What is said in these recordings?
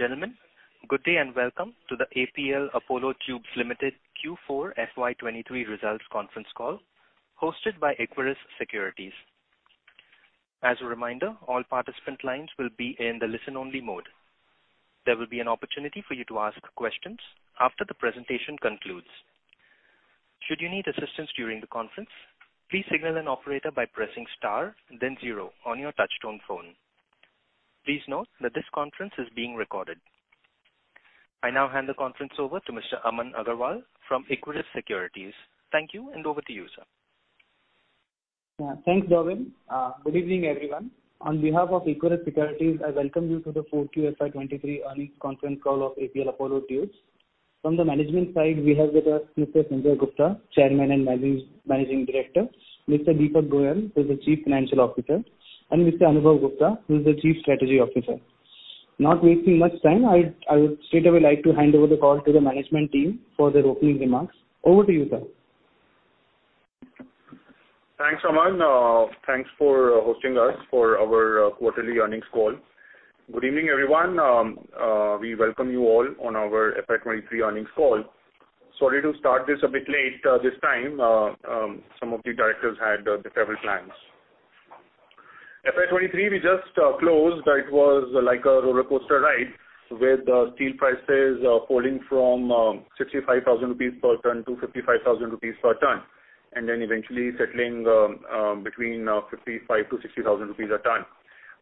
Ladies and gentlemen, good day and welcome to the APL Apollo Tubes Limited Q4 FY 2023 results conference call hosted by Equirus Securities. As a reminder, all participant lines will be in the listen only mode. There will be an opportunity for you to ask questions after the presentation concludes. Should you need assistance during the conference, please signal an operator by pressing star then zero on your touchtone phone. Please note that this conference is being recorded. I now hand the conference over to Mr. Aman Agarwal from Equirus Securities. Thank you, and over to you, sir. Yeah. Thanks, Gavin. Good evening, everyone. On behalf of Equirus Securities, I welcome you to the 4Q FY 2023 earnings conference call of APL Apollo Tubes. From the management side, we have with us Mr. Sanjay Gupta, Chairman and Managing Director, Mr. Deepak Goyal, who is the Chief Financial Officer, and Mr. Anubhav Gupta, who is the Chief Strategy Officer. Not wasting much time, I would straightaway like to hand over the call to the management team for their opening remarks. Over to you, sir. Thanks, Aman. Thanks for hosting us for our quarterly earnings call. Good evening, everyone. We welcome you all on our FY23 earnings call. Sorry to start this a bit late this time. Some of the directors had travel plans. FY23 we just closed. It was like a rollercoaster ride with steel prices falling from 65,000 rupees per ton to 55,000 rupees per ton, and then eventually settling between 55,000-60,000 rupees a ton.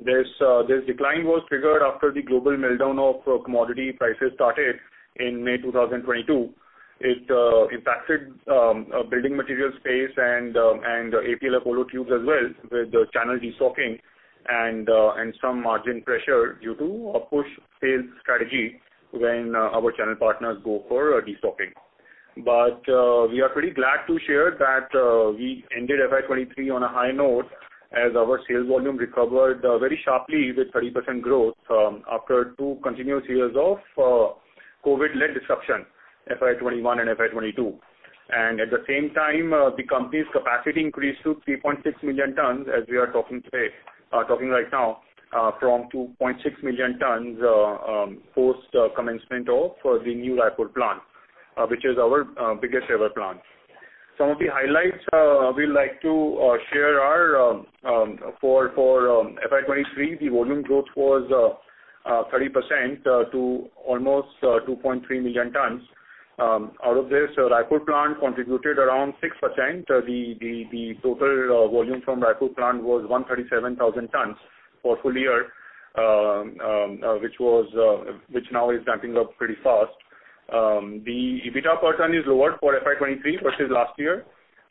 This decline was triggered after the global meltdown of commodity prices started in May 2022. It impacted building material space and APL Apollo Tubes as well with the channel destocking and some margin pressure due to a push sales strategy when our channel partners go for destocking. We are pretty glad to share that we ended FY 2023 on a high note as our sales volume recovered very sharply with 30% growth from after two continuous years of COVID-led disruption, FY 2021 and FY 2022. At the same time, the company's capacity increased to 3.6 million tons as we are talking right now, from 2.6 million tons, post commencement of the new Raipur plant, which is our biggest ever plant. Some of the highlights we like to share are for FY 2023, the volume growth was 30% to almost 2.3 million tons. Out of this, Raipur plant contributed around 6%. The total volume from Raipur plant was 137,000 tons for full year, which was, which now is ramping up pretty fast. The EBITDA per ton is lower for FY 2023 versus last year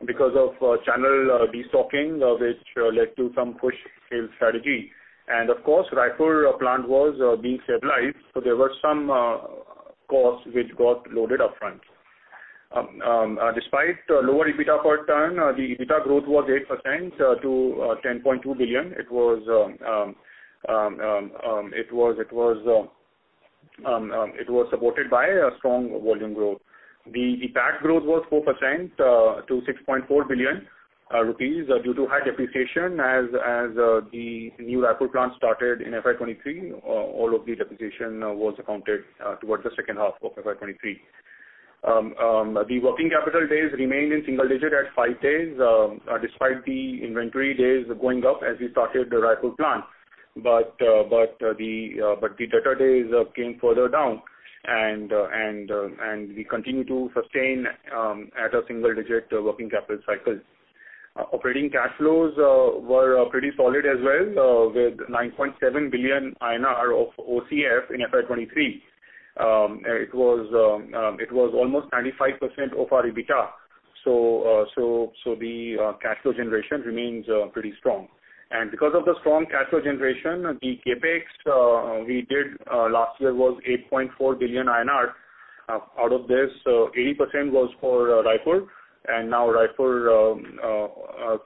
because of channel destocking, which led to some push sales strategy. Of course, Raipur plant was being stabilized, so there were some costs which got loaded up front. Despite lower EBITDA per ton, the EBITDA growth was 8% to 10.2 billion. It was supported by a strong volume growth. The PAT growth was 4% to 6.4 billion rupees due to high depreciation as the new Raipur plant started in FY23. All of the depreciation was accounted towards the second half of FY23. The working capital days remained in single digit at four days despite the inventory days going up as we started the Raipur plant. The debtor days came further down and we continue to sustain at a single digit working capital cycle. Operating cash flows were pretty solid as well, with 9.7 billion INR of OCF in FY23. It was almost 95% of our EBITDA. The cash flow generation remains pretty strong. Because of the strong cash flow generation, the CapEx we did last year was 8.4 billion INR. Out of this, 80% was for Raipur and now Raipur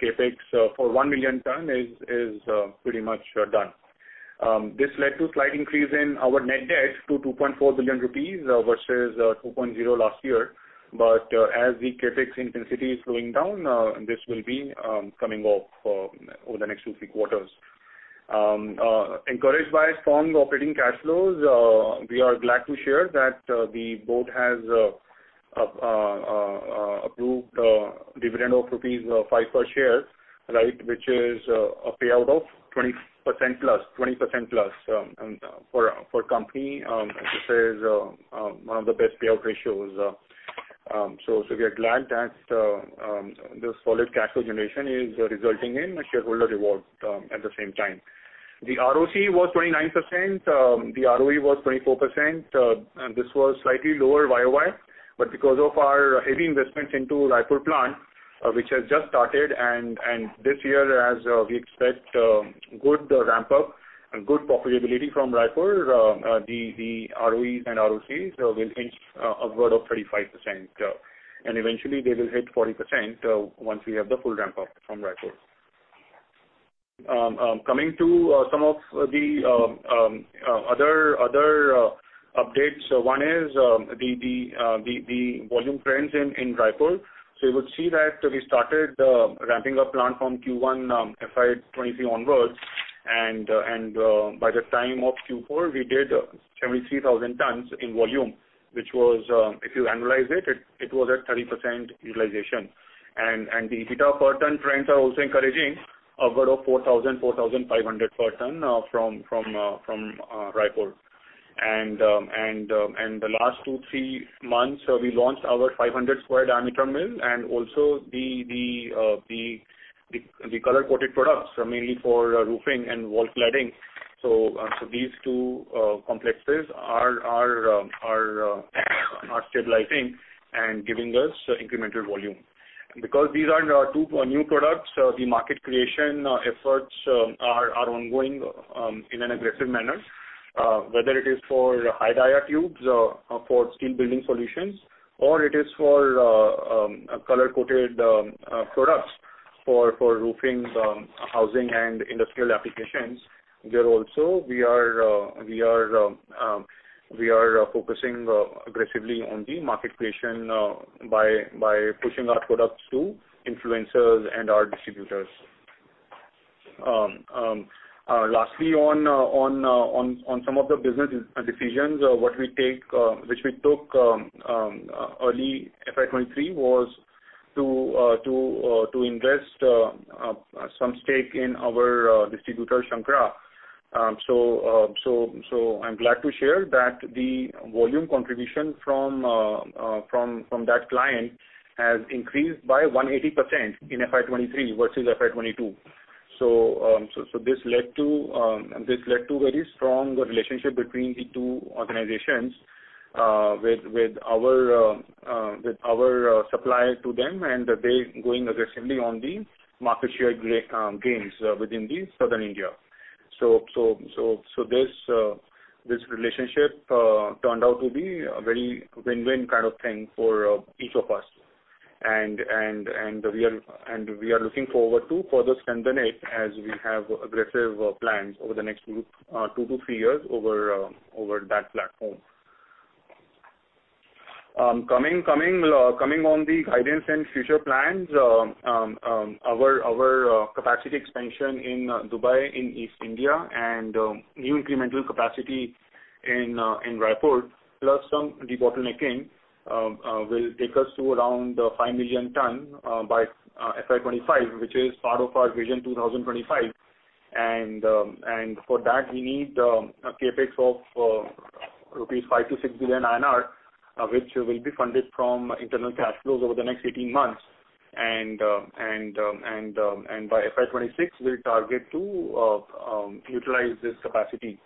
CapEx for one million ton is pretty much done. This led to slight increase in our net debt to 2.4 billion rupees versus 2.0 billion last year. As the CapEx intensity is slowing down, this will be coming off over the next two, three quarters. Encouraged by strong operating cash flows, we are glad to share that the board has approved a dividend of INR five per share, right, which is a payout of 20%+, 20%+. For company, this is one of the best payout ratios. We are glad that the solid cash flow generation is resulting in a shareholder reward, at the same time. The ROC was 29%. The ROE was 24%. This was slightly lower YOY, but because of our heavy investments into Raipur plant, which has just started and this year as we expect good ramp-up and good profitability from Raipur, the ROEs and ROCs will inch upward of 35%. Eventually they will hit 40% once we have the full ramp-up from Raipur. Coming to some of the other Updates. One is the volume trends in Raipur. You would see that we started ramping up plant from Q1 FY2023 onwards by the time of Q4 we did 73,000 tons in volume, which was if you annualize it was at 30% utilization. The EBITDA per ton trends are also encouraging upward of 4,000-4,500 per ton from Raipur. The last two, three months, we launched our 500 square diameter mill and also the color-coated products mainly for roofing and wall cladding. These two complexes are stabilizing and giving us incremental volume. Because these are two new products, the market creation efforts are ongoing in an aggressive manner. Whether it is for high dia tubes for steel building solutions or it is for color-coated products for roofing, housing and industrial applications. There also we are focusing aggressively on the market creation by pushing our products to influencers and our distributors. Lastly on some of the business decisions what we take which we took early FY 2023 was to invest some stake in our distributor Shankara. I'm glad to share that the volume contribution from that client has increased by 180% in FY 2023 versus FY 2022. This led to very strong relationship between the two organizations with our supply to them, and they going aggressively on the market share gains within Southern India. This relationship turned out to be a very win-win kind of thing for each of us. We are looking forward to further strengthen it as we have aggressive plans over the next two- three years over that platform. Coming on the guidance and future plans, our capacity expansion in Dubai, in East India and new incremental capacity in Raipur, plus some debottlenecking, will take us to around five million tons by FY2025, which is part of our vision 2025. For that we need a CapEx of rupees five billion-six billion, which will be funded from internal cash flows over the next 18 months. By FY26 we'll target to utilize this capacity.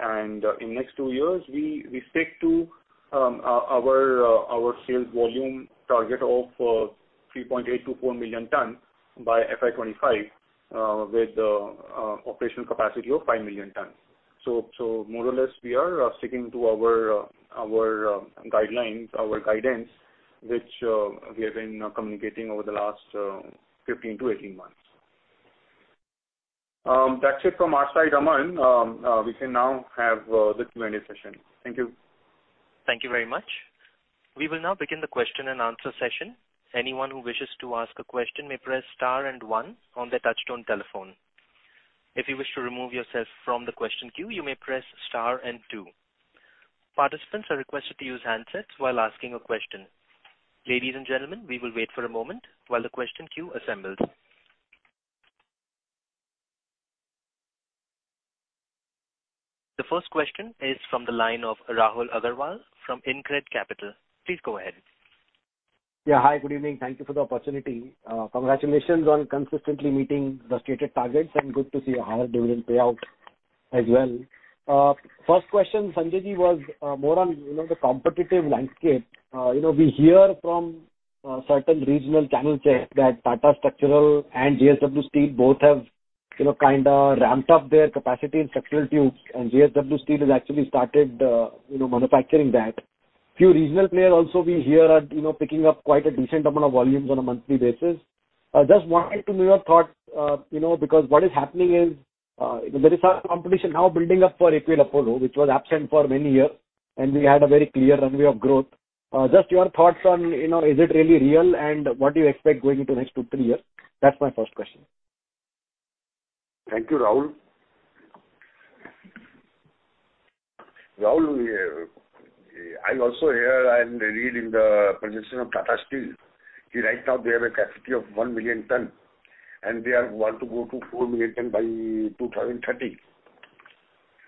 In next two years, we stick to our sales volume target of 3.8 million tons-4 million tons by FY 2025 with operational capacity of five million tons. More or less we are sticking to our guidelines, our guidance, which we have been communicating over the last 15 months-18 months. That's it from our side, Aman. We can now have the Q&A session. Thank you. Thank you very much. We will now begin the question-and-answer session. Anyone who wishes to ask a question may press star one on their touchtone telephone. If you wish to remove yourself from the question queue, you may press star two. Participants are requested to use handsets while asking a question. Ladies and gentlemen, we will wait for a moment while the question queue assembles. The first question is from the line of Rahul Agarwal from InCred Capital. Please go ahead. Yeah. Hi, good evening. Thank you for the opportunity. Congratulations on consistently meeting the stated targets and good to see a higher dividend payout as well. First question, Sanjay Ji, was more on, you know, the competitive landscape. You know, we hear from certain regional channel checks that Tata Structura and JSW Steel both have, you know, kinda ramped up their capacity in structural tubes, and JSW Steel has actually started, you know, manufacturing that. Few regional player also we hear are, you know, picking up quite a decent amount of volumes on a monthly basis. I just wanted to know your thoughts, you know, because what is happening is, there is a competition now building up for APL Apollo, which was absent for many years, and we had a very clear runway of growth. Just your thoughts on, you know, is it really real and what do you expect going into next two years, three years? That's my first question. Thank you, Rahul. Rahul, I also hear and read in the position of Tata Steel, right now they have a capacity of 1 million ton and they are want to go to 4 million ton by 2030.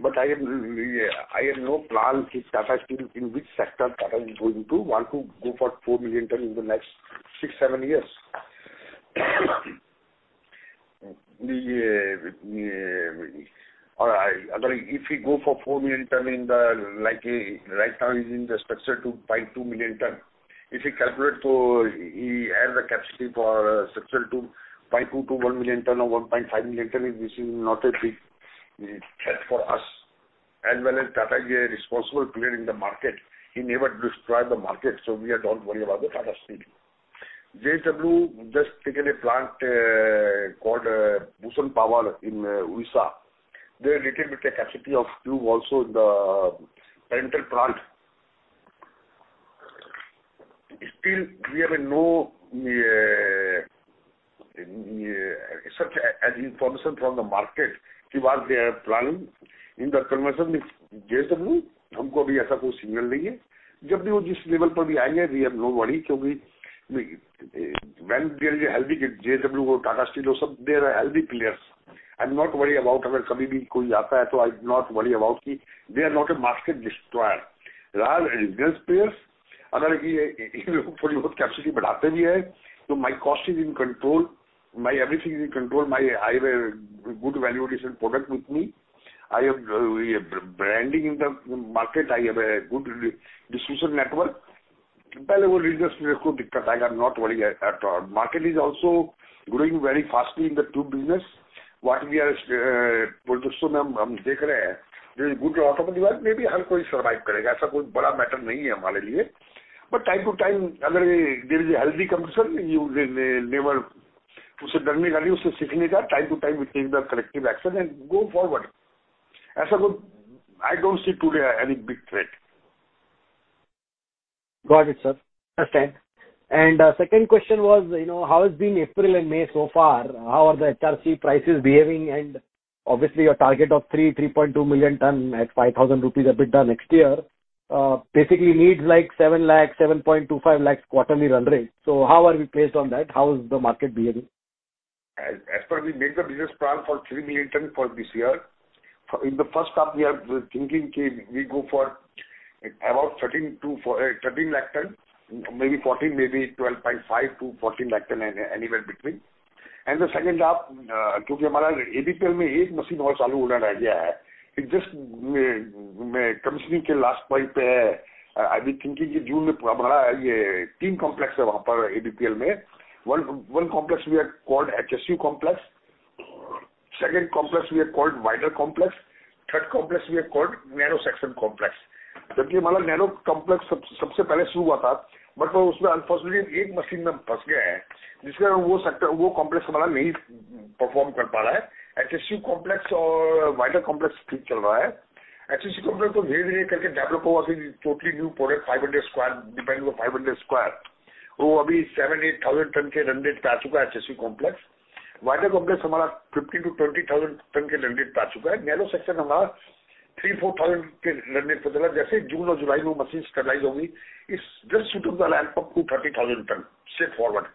I have no plan with Tata Steel in which sector Tata is going to want to go for four million ton in the next six, seven years. I mean, if we go for four million ton in the like right now is in the structural tube 0.2 million ton. If we calculate to have the capacity for structural tube 0.2 million-1 million ton or 1.5 million ton, this is not a big threat for us, as well as Tata Ji responsible player in the market. He never destroy the market, so we are don't worry about the Tata Steel. JSW just taken a plant called Bhushan Power & Steel in Orissa. They're little bit a capacity of tube also in the parental plant. We have a no such as information from the market what they are planning in the conversion with JSW. We have no worry because when there is a healthy JSW or Tata Steel or SSAB, they are healthy players. I'm not worried about if anybody comes, so I'll not worry about it. They are not a market destroyer. As business players, if these people increase their capacity a little, so my cost is in control, my everything is in control. I have a good valuation product with me. I have branding in the market. I have a good distribution network. First of all, I will not have any problem with the business. I'm not worried at all. Market is also growing very fastly in the tube business. What we are producing, we are seeing. There is good autonomy where maybe everyone will survive. It is not a big matter for us. Time to time, if there is a healthy competition, you will never. You don't have to be afraid of it, you have to learn from it. Time to time we take the corrective action and go forward. As of. I don't see today any big threat. Got it, sir. Understand. Second question was, you know, how has been April and May so far? How are the HRC prices behaving? Obviously your target of 3 million tons-3.2 million tons at 5,000 rupees EBITDA next year, basically needs like 7 lakh, 7.25 lakhs quarterly run rate. How are we placed on that? How is the market behaving? As per we made the business plan for three million tons for this year. In the first half, we are thinking we go for about 13 lakh tons, maybe 14 lakh tons, maybe 12.5 lakh tons-14 lakh tons, anywhere between. In the second half, because in our ADPL, one more machine is yet to be started. It's just in the last point of commissioning. I'll be thinking in June it will be completed. There are three complexes there in ADPL. One complex we have called HSU complex. Second complex we have called wider complex. Third complex we have called narrow section complex. Our narrow complex started first, but unfortunately one machine got stuck in it, because of which that complex of ours is not able to perform. HSU complex and wider complex is running fine. HSU complex is gradually being developed. It will be a totally new product, 500 square, depending on 500 square. That HSU complex has now reached a run rate of 7,000 tons-8,000 tons. Wider complex of ours has reached a run rate of 15,000-20,000 tons. Our narrow section complex is running at a run rate of 3,000 tons-4,000 tons. As the machines get sterilized in June and July, it's just shoot up the ramp up to 30,000 ton straight forward.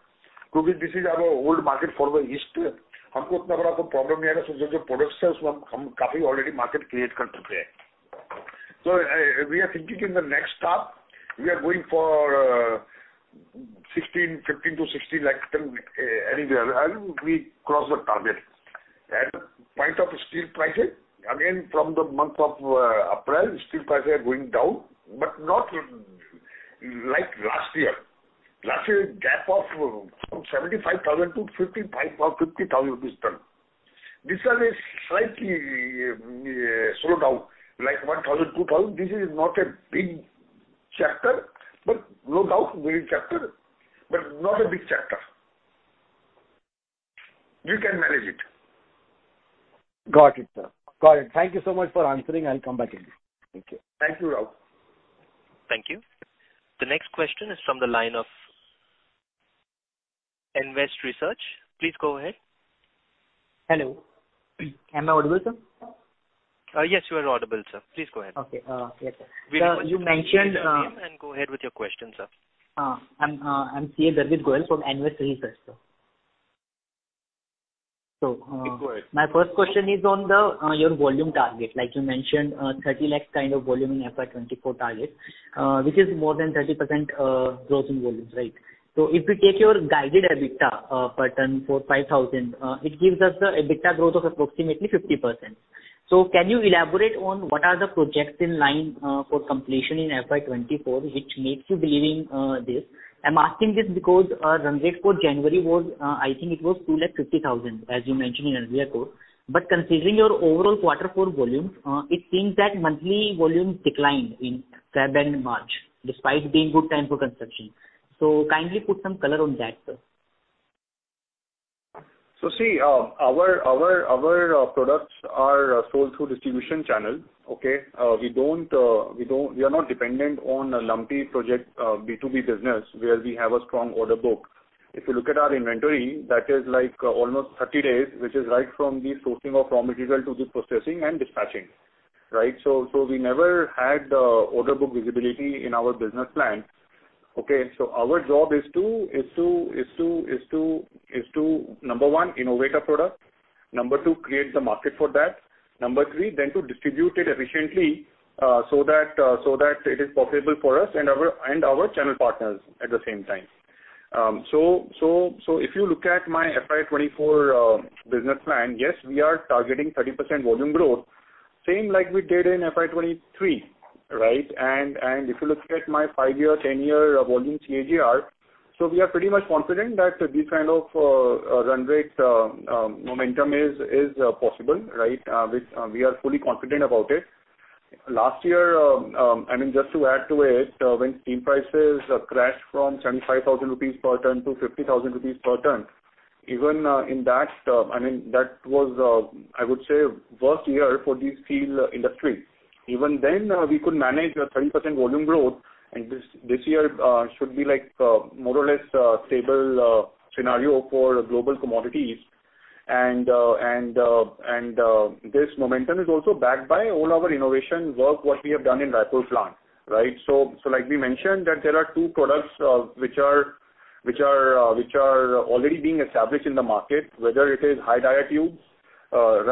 This is our old market for the east. We don't have that much of a problem because the products we have, we have already created a lot of market for them. We are thinking in the next half, we are going for 15 lakh-16 lakh ton anywhere, and we cross the target. At the point of steel prices, again, from the month of April, steel prices are going down, but not like last year. Last year gap of from 75,000 to 55,000 or 50,000 rupees this time. This year is slightly slowed down, like 1,000, 2,000. This is not a big chapter, but no doubt, big chapter, but not a big chapter. You can manage it. Got it, sir. Got it. Thank you so much for answering. I'll come back again. Thank you. Thank you, Rahul. Thank you. The next question is from the line of Invest Research. Please go ahead. Hello. Am I audible, sir? Yes, you are audible, sir. Please go ahead. Okay. Yes, sir. Sir, you mentioned. State your name and go ahead with your question, sir. I'm CA Garvit Goyal from Nvest Research, sir. Go ahead. My first question is on the your volume target. Like you mentioned, 30 lakh kind of volume in FY 2024 target, which is more than 30% growth in volumes, right? If we take your guided EBITDA per ton for 5,000, it gives us the EBITDA growth of approximately 50%. Can you elaborate on what are the projects in line for completion in FY 2024, which makes you believe in this? I'm asking this because run rate for January was, I think it was 250,000, as you mentioned in earlier call. Considering your overall Q4 volumes, it seems that monthly volumes declined in Feb and March, despite being good time for construction. Kindly put some color on that, sir. See, our products are sold through distribution channel, okay? We are not dependent on a lumpy project, B2B business where we have a strong order book. If you look at our inventory, that is like almost 30 days, which is right from the sourcing of raw material to the processing and dispatching, right? We never had the order book visibility in our business plan, okay? Our job is to number one, innovate a product. Number two, create the market for that. Number three, to distribute it efficiently, so that it is profitable for us and our channel partners at the same time. If you look at my FY 2024 business plan, yes, we are targeting 30% volume growth, same like we did in FY 2023, right? If you look at my five-year, 10-year volume CAGR, we are pretty much confident that this kind of run rate momentum is possible, right? Which we are fully confident about it. Last year, I mean, just to add to it, when steel prices crashed from 75,000 rupees per ton to 50,000 rupees per ton, even in that, I mean, that was, I would say worst year for the steel industry. Even then, we could manage a 30% volume growth. This year should be like more or less stable scenario for global commodities. This momentum is also backed by all our innovation work what we have done in Raipur plant, right? Like we mentioned that there are two products which are already being established in the market, whether it is high dia tubes, rendered of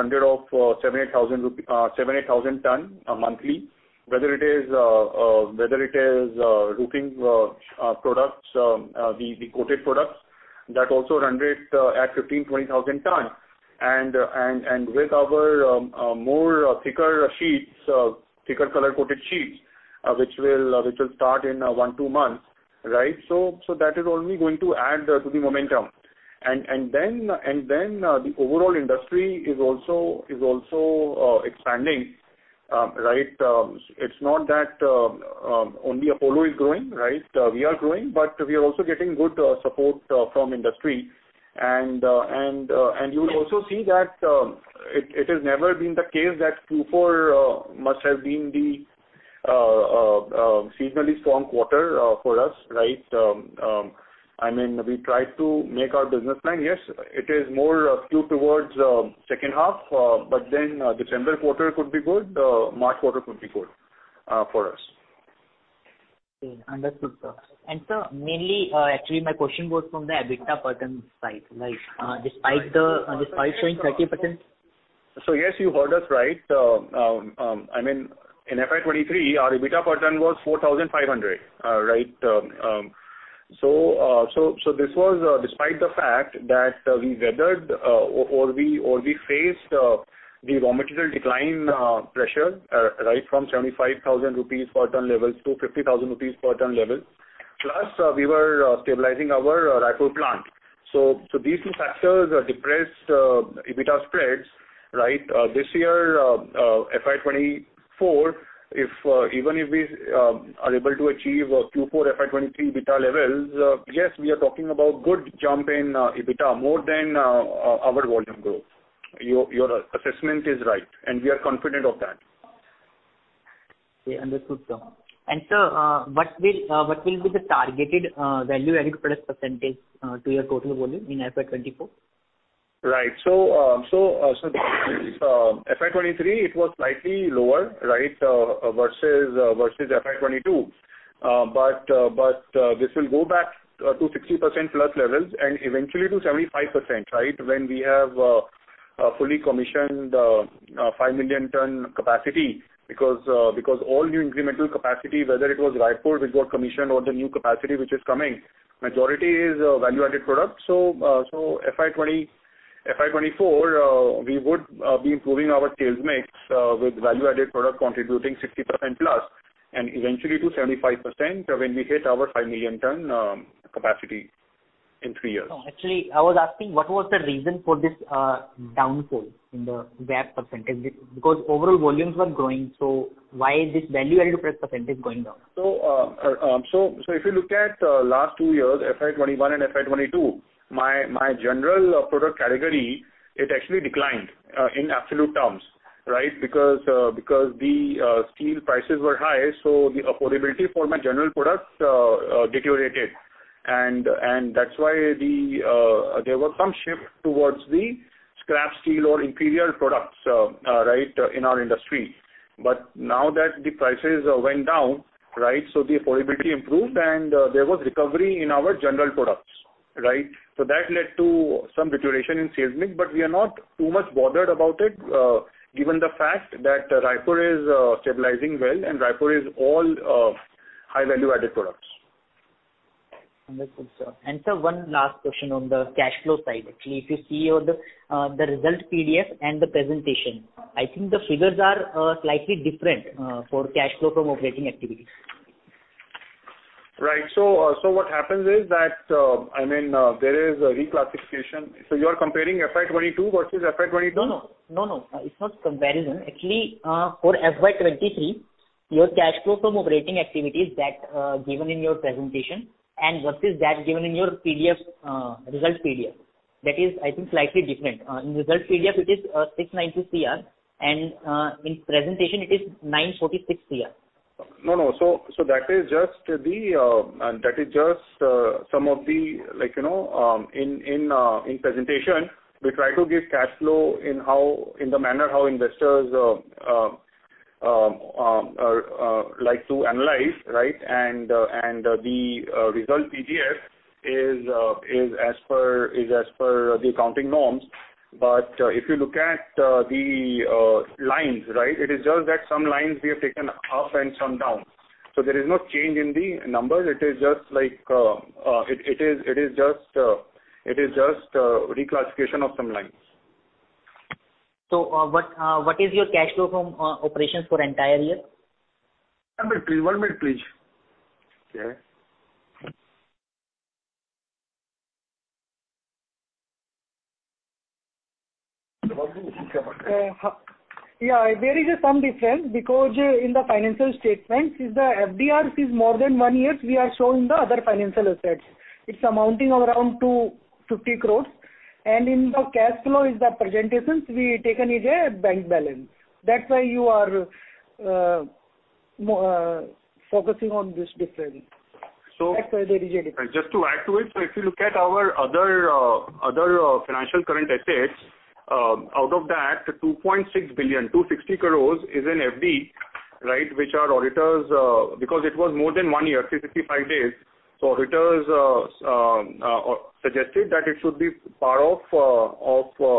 7,000 ton monthly-8,000 ton monthly. Whether it is roofing products, the coated products that also renders at 15,000 tons-20,000 tons. With our more thicker sheets, thicker color-coated sheets, which will start in one months-two months, right? That is only going to add to the momentum. The overall industry is also expanding, right? It's not that only Apollo is growing, right? We are growing, but we are also getting good support from industry. You will also see that it has never been the case that Q4 must have been the seasonally strong quarter for us, right? I mean, we try to make our business nine years. It is more skewed towards second half, but then December quarter could be good, March quarter could be good for us. Okay. Understood, sir. Sir, mainly, actually my question was from the EBITDA per ton side, right? Despite showing 30%. Yes, you heard us right. I mean, in FY2023, our EBITDA per ton was 4,500, right? This was despite the fact that we weathered or we faced the raw material decline pressure right from 75,000 rupees per ton levels to 50,000 rupees per ton level. Plus, we were stabilizing our Raipur plant. These two factors depressed EBITDA spreads, right? This year, FY2024, if even if we are able to achieve Q4 FY23 EBITDA levels, yes, we are talking about good jump in EBITDA, more than our volume growth. Your assessment is right, and we are confident of that. Okay. Understood, sir. Sir, what will be the targeted value-added plus percentage to your total volume in FY 2024? FY2023 it was slightly lower, right, versus FY2022. This will go back to 60%+ levels and eventually to 75%, right? When we have a fully commissioned five million ton capacity because all new incremental capacity, whether it was Raipur which got commissioned or the new capacity which is coming, majority is value-added products. FY2020, FY2024, we would be improving our sales mix with value-added product contributing 60%+ and eventually to 75% when we hit our five million ton capacity in three years. No. Actually, I was asking what was the reason for this downfall in the VAP percentage? Overall volumes were growing, so why is this value-added plus percentage going down? If you look at last three years, FY 2021 and FY 2022, my general product category, it actually declined in absolute terms. The steel prices were high, so the affordability for my general products deteriorated. That's why there was some shift towards the scrap steel or inferior products, right, in our industry. Now that the prices went down, right, the affordability improved and there was recovery in our general products. That led to some deterioration in sales mix, but we are not too much bothered about it, given the fact that Raipur is stabilizing well and Raipur is all high value-added products. Understood, sir. Sir, one last question on the cash flow side. Actually, if you see on the result PDF and the presentation, I think the figures are slightly different for cash flow from operating activities. Right. What happens is that, I mean, there is a reclassification. You are comparing FY 2022 versus FY 23? No, no. No, no. It's not comparison. Actually, for FY 2023, your cash flow from operating activities that given in your presentation and versus that given in your PDF, result PDF. That is, I think, slightly different. In result PDF it is 690 CR and in presentation it is 946 CR. No, no. That is just the, that is just some of the, like, you know, in presentation we try to give cash flow in how, in the manner how investors like to analyze, right? The result PDF is as per the accounting norms. If you look at the lines, right? It is just that some lines we have taken up and some down. There is no change in the numbers. It is just reclassification of some lines. What is your cash flow from operations for entire year? One minute please. Okay. There is some difference because in the financial statements, if the FDR is more than one years, we are showing the other financial assets. It's amounting around 250 crores. In the cash flow is the presentations we taken is a bank balance. That's why you are focusing on this difference. So- That's why there is a difference. Just to add to it. If you look at our other, financial current assets, out of that 2.6 billion, 260 crores is in FD, right? Which our auditors, because it was more than one year, 355 days. Auditors suggested that it should be part of,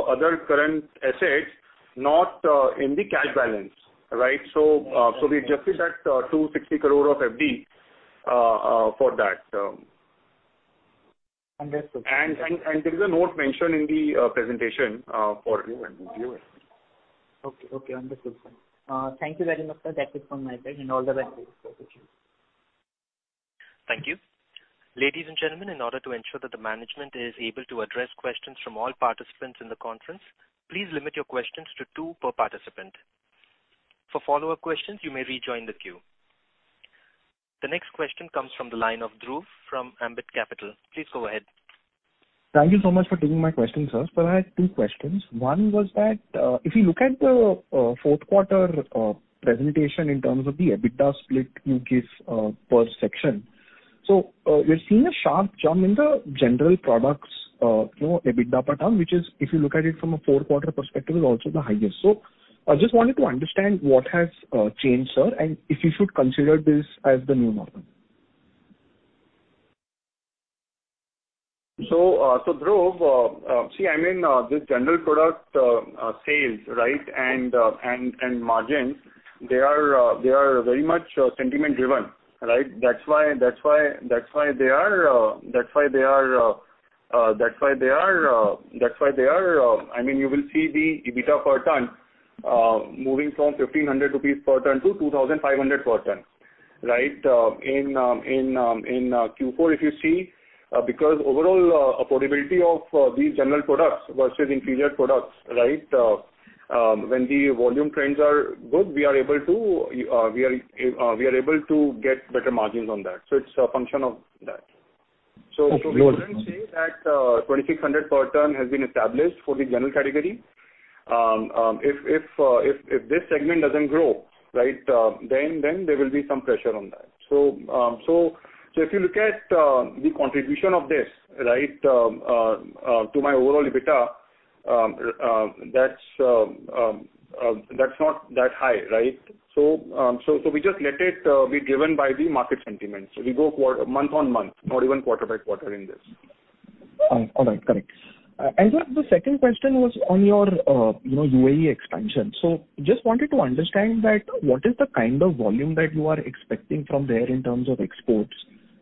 other current assets, not, in the cash balance, right? We adjusted that, 260 crore of FD, for that. Understood. There is a note mentioned in the presentation for you and viewers. Okay. Okay. Understood, sir. Thank you very much, sir. That is from my side and all the best. Thank you. Thank you. Ladies and gentlemen, in order to ensure that the management is able to address questions from all participants in the conference, please limit your questions to two per participant. For follow-up questions, you may rejoin the queue. The next question comes from the line of Dhruv from Ambit Capital. Please go ahead. Thank you so much for taking my question, sir. I had two questions. One was that if you look at the fourth quarter presentation in terms of the EBITDA split you give per section. We're seeing a sharp jump in the general products, you know, EBITDA per ton, which is if you look at it from a four-quarter perspective, is also the highest. I just wanted to understand what has changed, sir, and if you should consider this as the new normal. Dhruv, see, I mean, this general product sales, right, and margins, they are very much sentiment driven, right? That's why they are, I mean, you will see the EBITDA per ton moving from 1,500 rupees per ton to 2,500 per ton, right? In Q4 if you see, because overall affordability of these general products versus inferior products, right, when the volume trends are good, we are able to get better margins on that. It's a function of that. Okay. We wouldn't say that 2,600 per ton has been established for the general category. If this segment doesn't grow, right, then there will be some pressure on that. If you look at the contribution of this, right, to my overall EBITDA, that's not that high, right? We just let it be driven by the market sentiments. We go month on month, not even quarter by quarter in this. All right. Correct. The second question was on your, you know, UAE expansion. Just wanted to understand that what is the kind of volume that you are expecting from there in terms of exports?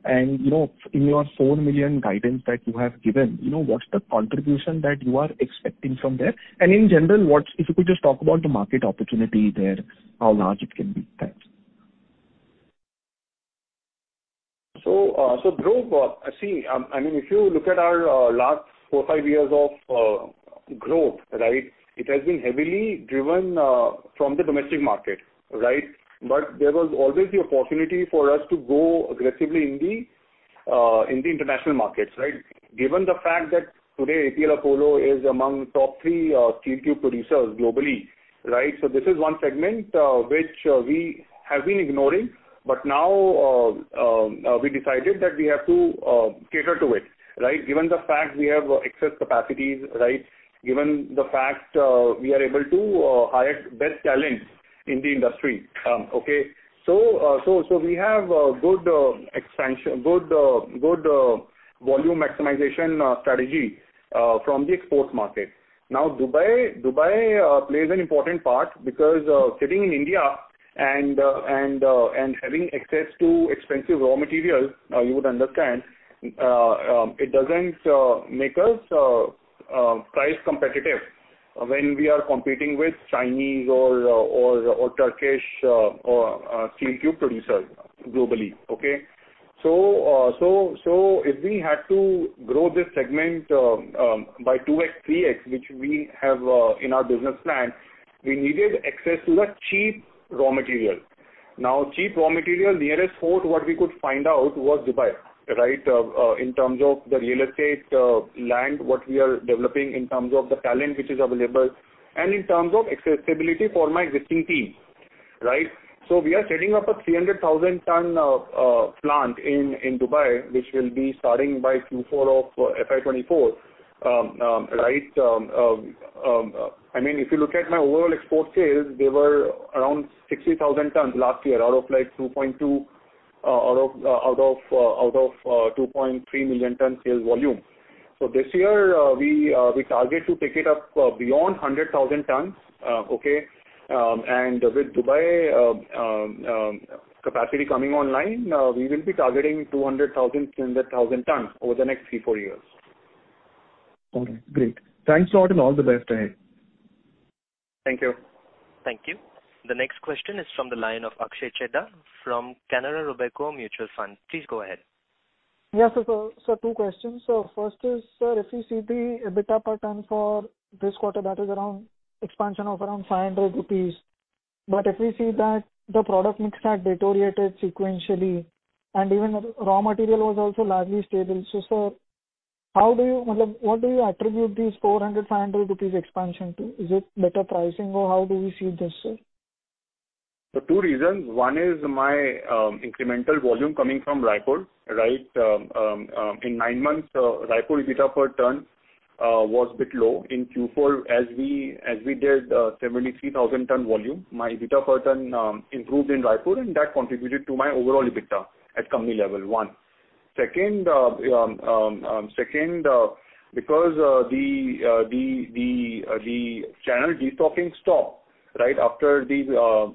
You know, in your four million guidance that you have given, you know, what's the contribution that you are expecting from there? In general, if you could just talk about the market opportunity there, how large it can be. Thanks. Dhruv, I mean, if you look at our last four, five years of growth, right? It has been heavily driven from the domestic market, right? There was always the opportunity for us to go aggressively in the international markets, right? Given the fact that today APL Apollo is among top three steel tube producers globally, right? This is one segment which we have been ignoring. Now we decided that we have to cater to it, right? Given the fact we have excess capacities, right? Given the fact we are able to hire best talents in the industry. Okay. We have a good expansion, good volume maximization strategy from the export market. Dubai, plays an important part because, sitting in India and having access to expensive raw materials, you would understand, it doesn't make us price competitive when we are competing with Chinese or Turkish steel tube producers globally. Okay? If we had to grow this segment, by 2x, 3x, which we have, in our business plan, we needed access to the cheap raw material. Cheap raw material nearest port, what we could find out was Dubai, right? In terms of the real estate, land, what we are developing in terms of the talent which is available and in terms of accessibility for my existing team, right? We are setting up a 300,000 ton plant in Dubai, which will be starting by Q4 of FY 2024. Right? I mean, if you look at my overall export sales, they were around 60,000 tons last year, out of like 2.2 million ton-2.3 million ton sales volume. This year, we target to take it up beyond 100,000 tons. Okay? And with Dubai capacity coming online, we will be targeting 200,000 tons-300,000 tons over the next 3 years-4 years. Okay. Great. Thanks a lot and all the best ahead. Thank you. Thank you. The next question is from the line of Akshay Chheda from Canara Robeco Mutual Fund. Please go ahead. Yes, sir. Sir, two questions. First is, sir, if you see the EBITDA per ton for this quarter, that is around expansion of around 500 rupees. If we see that the product mix had deteriorated sequentially and even the raw material was also largely stable. Sir, how do you what do you attribute these 400-500 rupees expansion to? Is it better pricing, or how do we see this, sir? Two reasons. One is my incremental volume coming from Raipur. In nine months, Raipur EBITDA per ton was bit low. In Q4, as we did 73,000 ton volume, my EBITDA per ton improved in Raipur, and that contributed to my overall EBITDA at company level. One. Second, because the channel destocking stopped right after the raw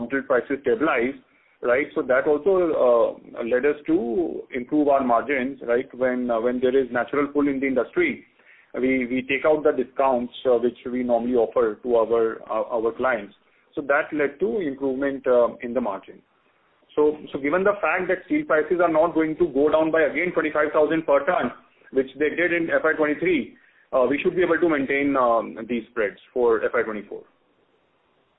material prices stabilized. That also led us to improve our margins. When there is natural pull in the industry, we take out the discounts which we normally offer to our clients. That led to improvement in the margin. Given the fact that steel prices are not going to go down by again 25,000 per ton, which they did in FY 2023, we should be able to maintain these spreads for FY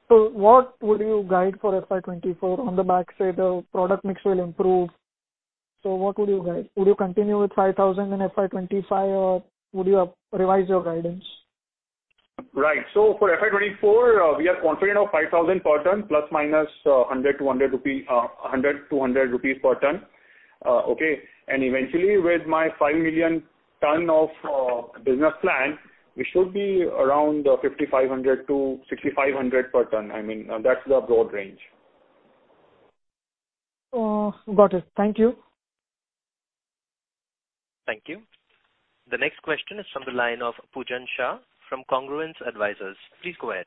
2024. What would you guide for FY 2024 on the back, say, the product mix will improve. What would you guide? Would you continue with 5,000 in FY 2025, or would you revise your guidance? For FY 2024, we are confident of 5,000 per ton ± 100 per ton. Okay. Eventually, with my 5 million ton of business plan, we should be around 5,500-6,500 per ton. I mean, that's the broad range. Got it. Thank you. Thank you. The next question is from the line of Pujan Shah from Congruence Advisors. Please go ahead.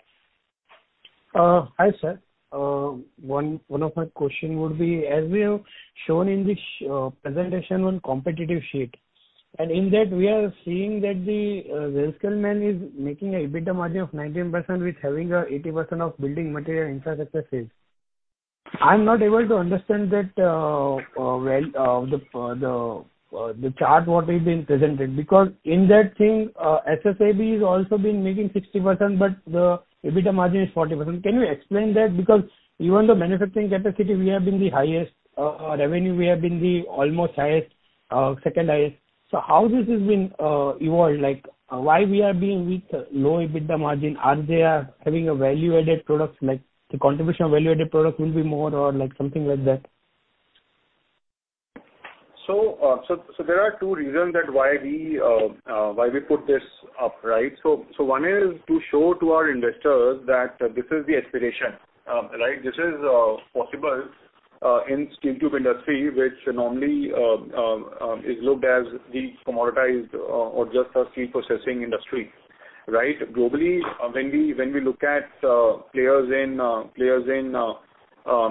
Hi, sir. One of my question would be, as you have shown in the presentation on competitive sheet, in that we are seeing that the Welspun Corp Ltd. is making a EBITDA margin of 19% with having 80% of building material infrastructure sales. I'm not able to understand that the chart what is being presented, because in that thing, SSAB has also been making 60%, but the EBITDA margin is 40%. Can you explain that? Even the manufacturing capacity, we have been the highest, revenue, we have been the almost highest, second highest. How this has been evolved? Why we are being with low EBITDA margin? Are they, having a value-added product, like the contribution of value-added product will be more or, like, something like that? There are two reasons that why we why we put this up, right? One is to show to our investors that this is the aspiration, right? This is possible in steel tube industry, which normally is looked as the commoditized or just a steel processing industry, right? Globally, when we when we look at players in players in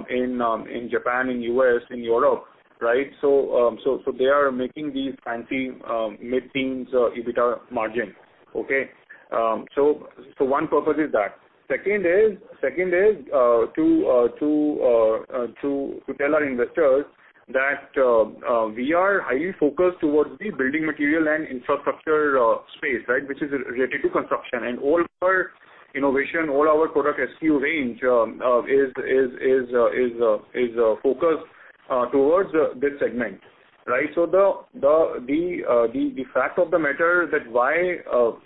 in Japan, in U.S., in Europe, right? They are making these fancy mid-teens EBITDA margins. Okay? One purpose is that. Second is to tell our investors that we are highly focused towards the building material and infrastructure space, right, which is related to construction. All our innovation, all our product SKU range is focused towards this segment, right? The fact of the matter that why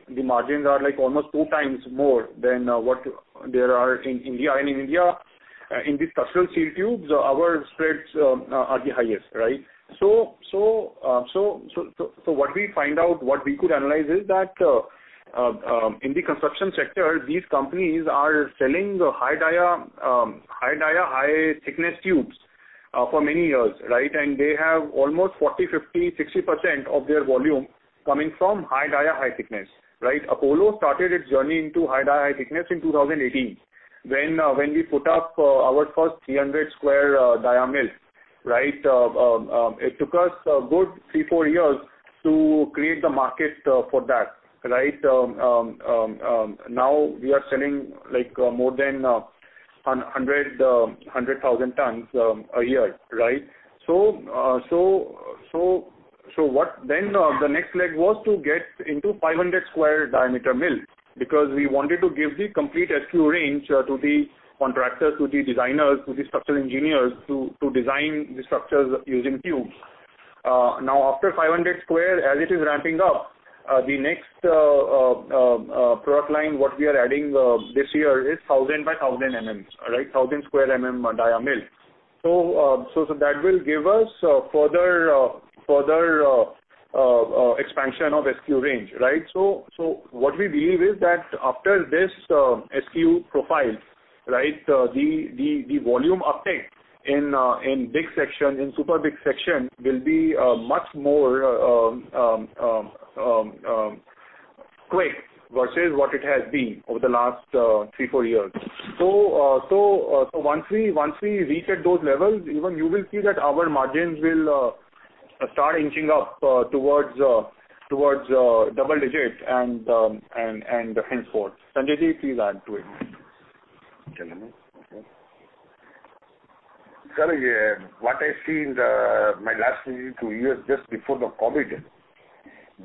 the margins are, like, almost two times more than what there are in India. In India, in the structural steel tubes, our spreads are the highest, right? What we find out, what we could analyze is that in the construction sector, these companies are selling the high dia, high thickness tubes for many years, right? They have almost 40, 50, 60% of their volume coming from high dia, high thickness, right? Apollo started its journey into high dia, high thickness in 2018 when when we put up our first 300 square dia mill, right? It took us a good three, four years to create the market for that, right? Now we are selling, like, more than 100,000 tons a year, right? What then, the next leg was to get into 500 square diameter mill because we wanted to give the complete SKU range to the contractors, to the designers, to the structural engineers to design the structures using tubes. Now, after 500 square, as it is ramping up, the next product line, what we are adding this year is 1,000 by 1,000 Mms, right? 1,000 square Mm dia mill. That will give us further further expansion of SKU range, right. What we believe is that after this SKU profile, right, the volume uptick in big section, in super big section will be much more quick versus what it has been over the last three, four years. Once we reach at those levels, even you will see that our margins will. Start inching up towards double digits and henceforth. Sanjayji, please add to it. Shall I? Okay. Sir, what I see in the, my last two years, just before the COVID,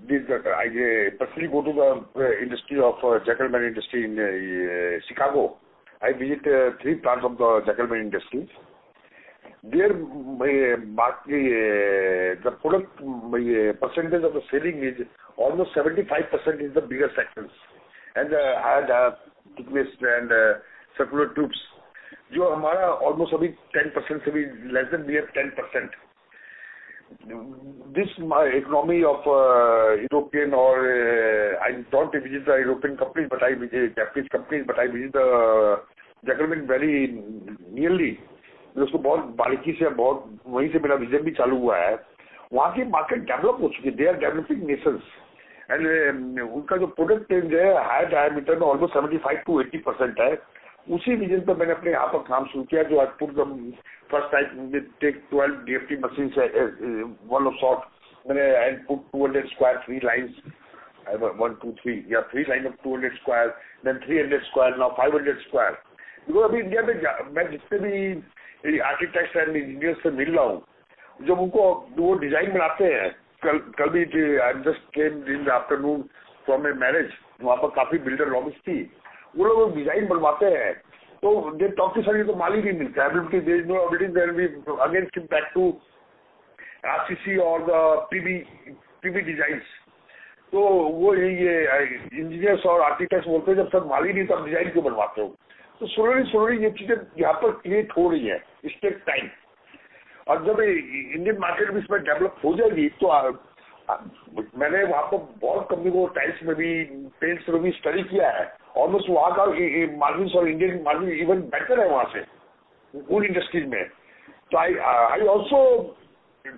is that I personally go to the industry of Zekelman Industries in Chicago. I visit three plants of the Zekelman Industries. There my, the product, my percentage of the selling is almost 75% is the bigger sections. I had tubes and circular tubes. Almost 10%, less than we have 10%. This my economy of European or I don't visit the European companies, I visit Japanese companies, I visit Zekelman very nearly. They are developing nations. Their product range is higher diameter, almost 75%-80%. Using this reason, I started my work here. I put the first time we take 12 DFT machines, one of sort. I put 200 square, three lines. One, two, three. Yeah, three line of 200 square, then 300 square, now 500 square. In India, the architects and engineers I am meeting, when they make the design... Kal, kal bhi, I just came in the afternoon from a marriage. There were a lot of builder lobbies. They make the design. They talk to, "Sir, we don't get the material." There is no availability. They will be again come back to RCC or the PEB designs. The engineers and architects say, "Sir, when there is no material, why are you making the design?" Slowly, slowly these things are getting created here. It takes time. When the Indian market will also develop in this, I have studied a lot of companies and types there. Almost the margins there, Indian margins are even better there in the whole industry. I also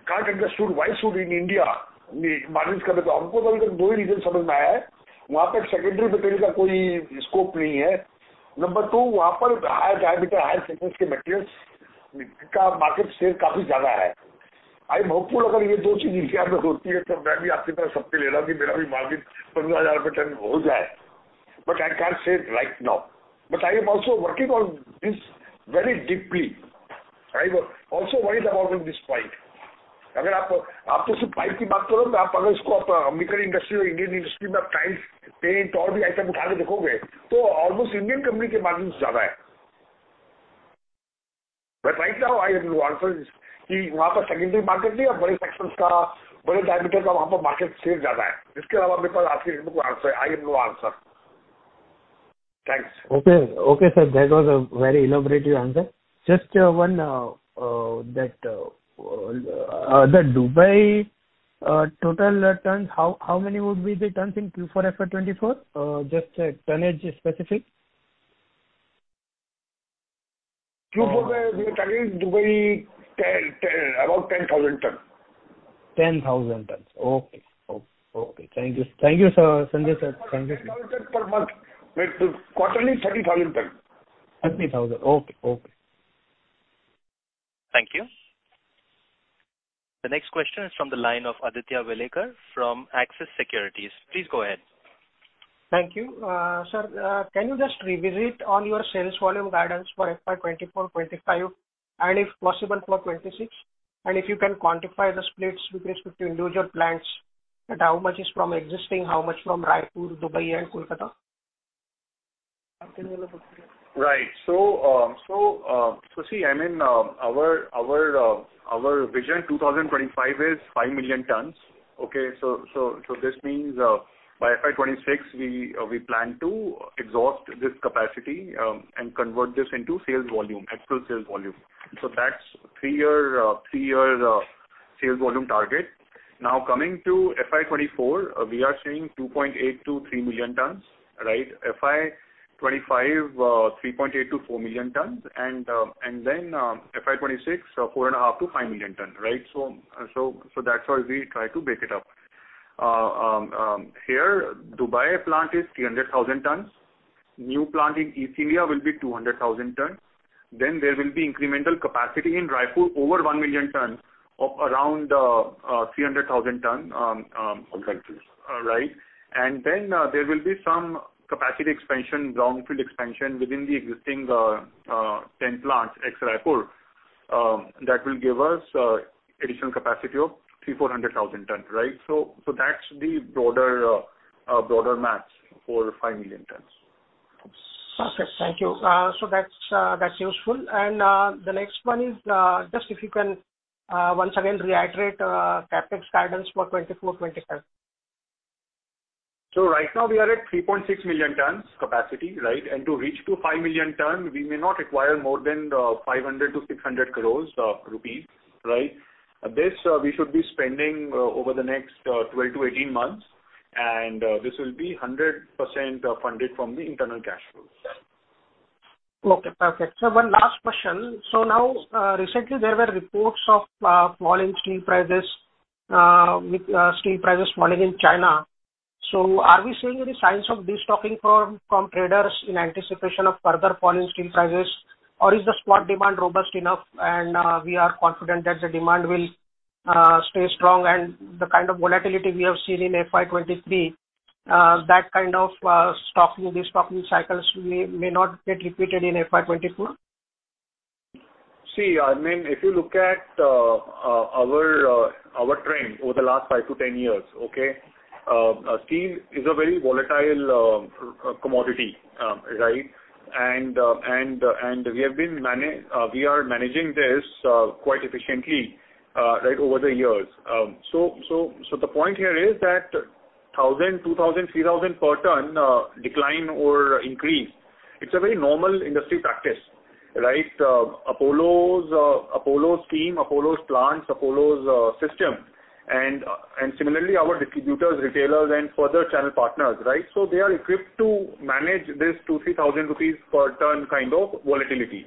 can't understood why should in India margins. So far I have understood only two reasons. There is no scope for secondary material. Number two, there the higher diameter, higher thickness materials' market share is very high. I hope if these two things happen in India, then I will also take it from you that my margin should also be INR 10,000. I can't say it right now. I am also working on this very deeply. I also worried about this pipe. If you just talk about pipe, if you look at it in the American industry or Indian industry, tiles, paint and other items, then almost the Indian company's margins are higher. Right now I have no answer. There is no secondary market there, and the big sections, big diameter's market share is high there. Apart from this, I have no answer. I have no answer. Thanks. Okay, sir. That was a very elaborative answer. Just one, that, the Dubai, total tons, how many would be the tons in Q4 FY 2024? Just a tonnage specific. Q4 the tonnage Dubai 10, about 10,000 ton. 10,000 tons. Okay. Okay. Thank you. Thank you, sir. Sanjay sir, thank you, sir. 10,000 ton per month. Quarterly 30,000 ton. INR 30,000. Okay. Okay. Thank you. The next question is from the line of Aditya Bhilare from Axis Securities. Please go ahead. Thank you. sir, can you just revisit on your sales volume guidance for FY2024, 2025, and if possible for 2026? If you can quantify the splits with respect to individual plants, and how much is from existing, how much from Raipur, Dubai and Kolkata? Right. Our vision 2025 is five million tons. This means by FY 2026 we plan to exhaust this capacity and convert this into sales volume, actual sales volume. That's three-year sales volume target. Now coming to FY 2024, we are seeing 2.8 million tons-3 million tons. FY 2025, 3.8 million tons-4 million tons, and FY 2026, 4.5 million ton-5 million ton. That's how we try to break it up. Here Dubai plant is 300,000 tons. New plant in Ethiopia will be 200,000 tons. There will be incremental capacity in Raipur over 1 million tons of around 300,000 tons. Right. Then there will be some capacity expansion, brownfield expansion within the existing 10 plants ex-Raipur that will give us additional capacity of 300,000-400,000 tons, right? That's the broader math for 5 million tons. Perfect. Thank you. That's, that's useful. The next one is, just if you can, once again reiterate, CapEx guidance for 2024, 2025? Right now we are at 3.6 million tons capacity, right? To reach to 5 million tons, we may not require more than 500-600 crores rupees, right? This we should be spending over the next 12-18 months, and this will be 100% funded from the internal cash flows. Okay, perfect. Sir, one last question. Now, recently there were reports of fall in steel prices, with steel prices falling in China. Are we seeing any signs of destocking from traders in anticipation of further fall in steel prices? Is the spot demand robust enough and we are confident that the demand will stay strong and the kind of volatility we have seen in FY23, that kind of stocking, destocking cycles may not get repeated in FY24? See, I mean, if you look at our trend over the last 5-10 years, okay, steel is a very volatile commodity, right? We are managing this quite efficiently right over the years. The point here is that 1,000, 2,000, 3,000 per ton decline or increase, it's a very normal industry practice, right? Apollo's team, Apollo's plants, Apollo's system and similarly our distributors, retailers and further channel partners, right? They are equipped to manage this 2,000-3,000 rupees per ton kind of volatility,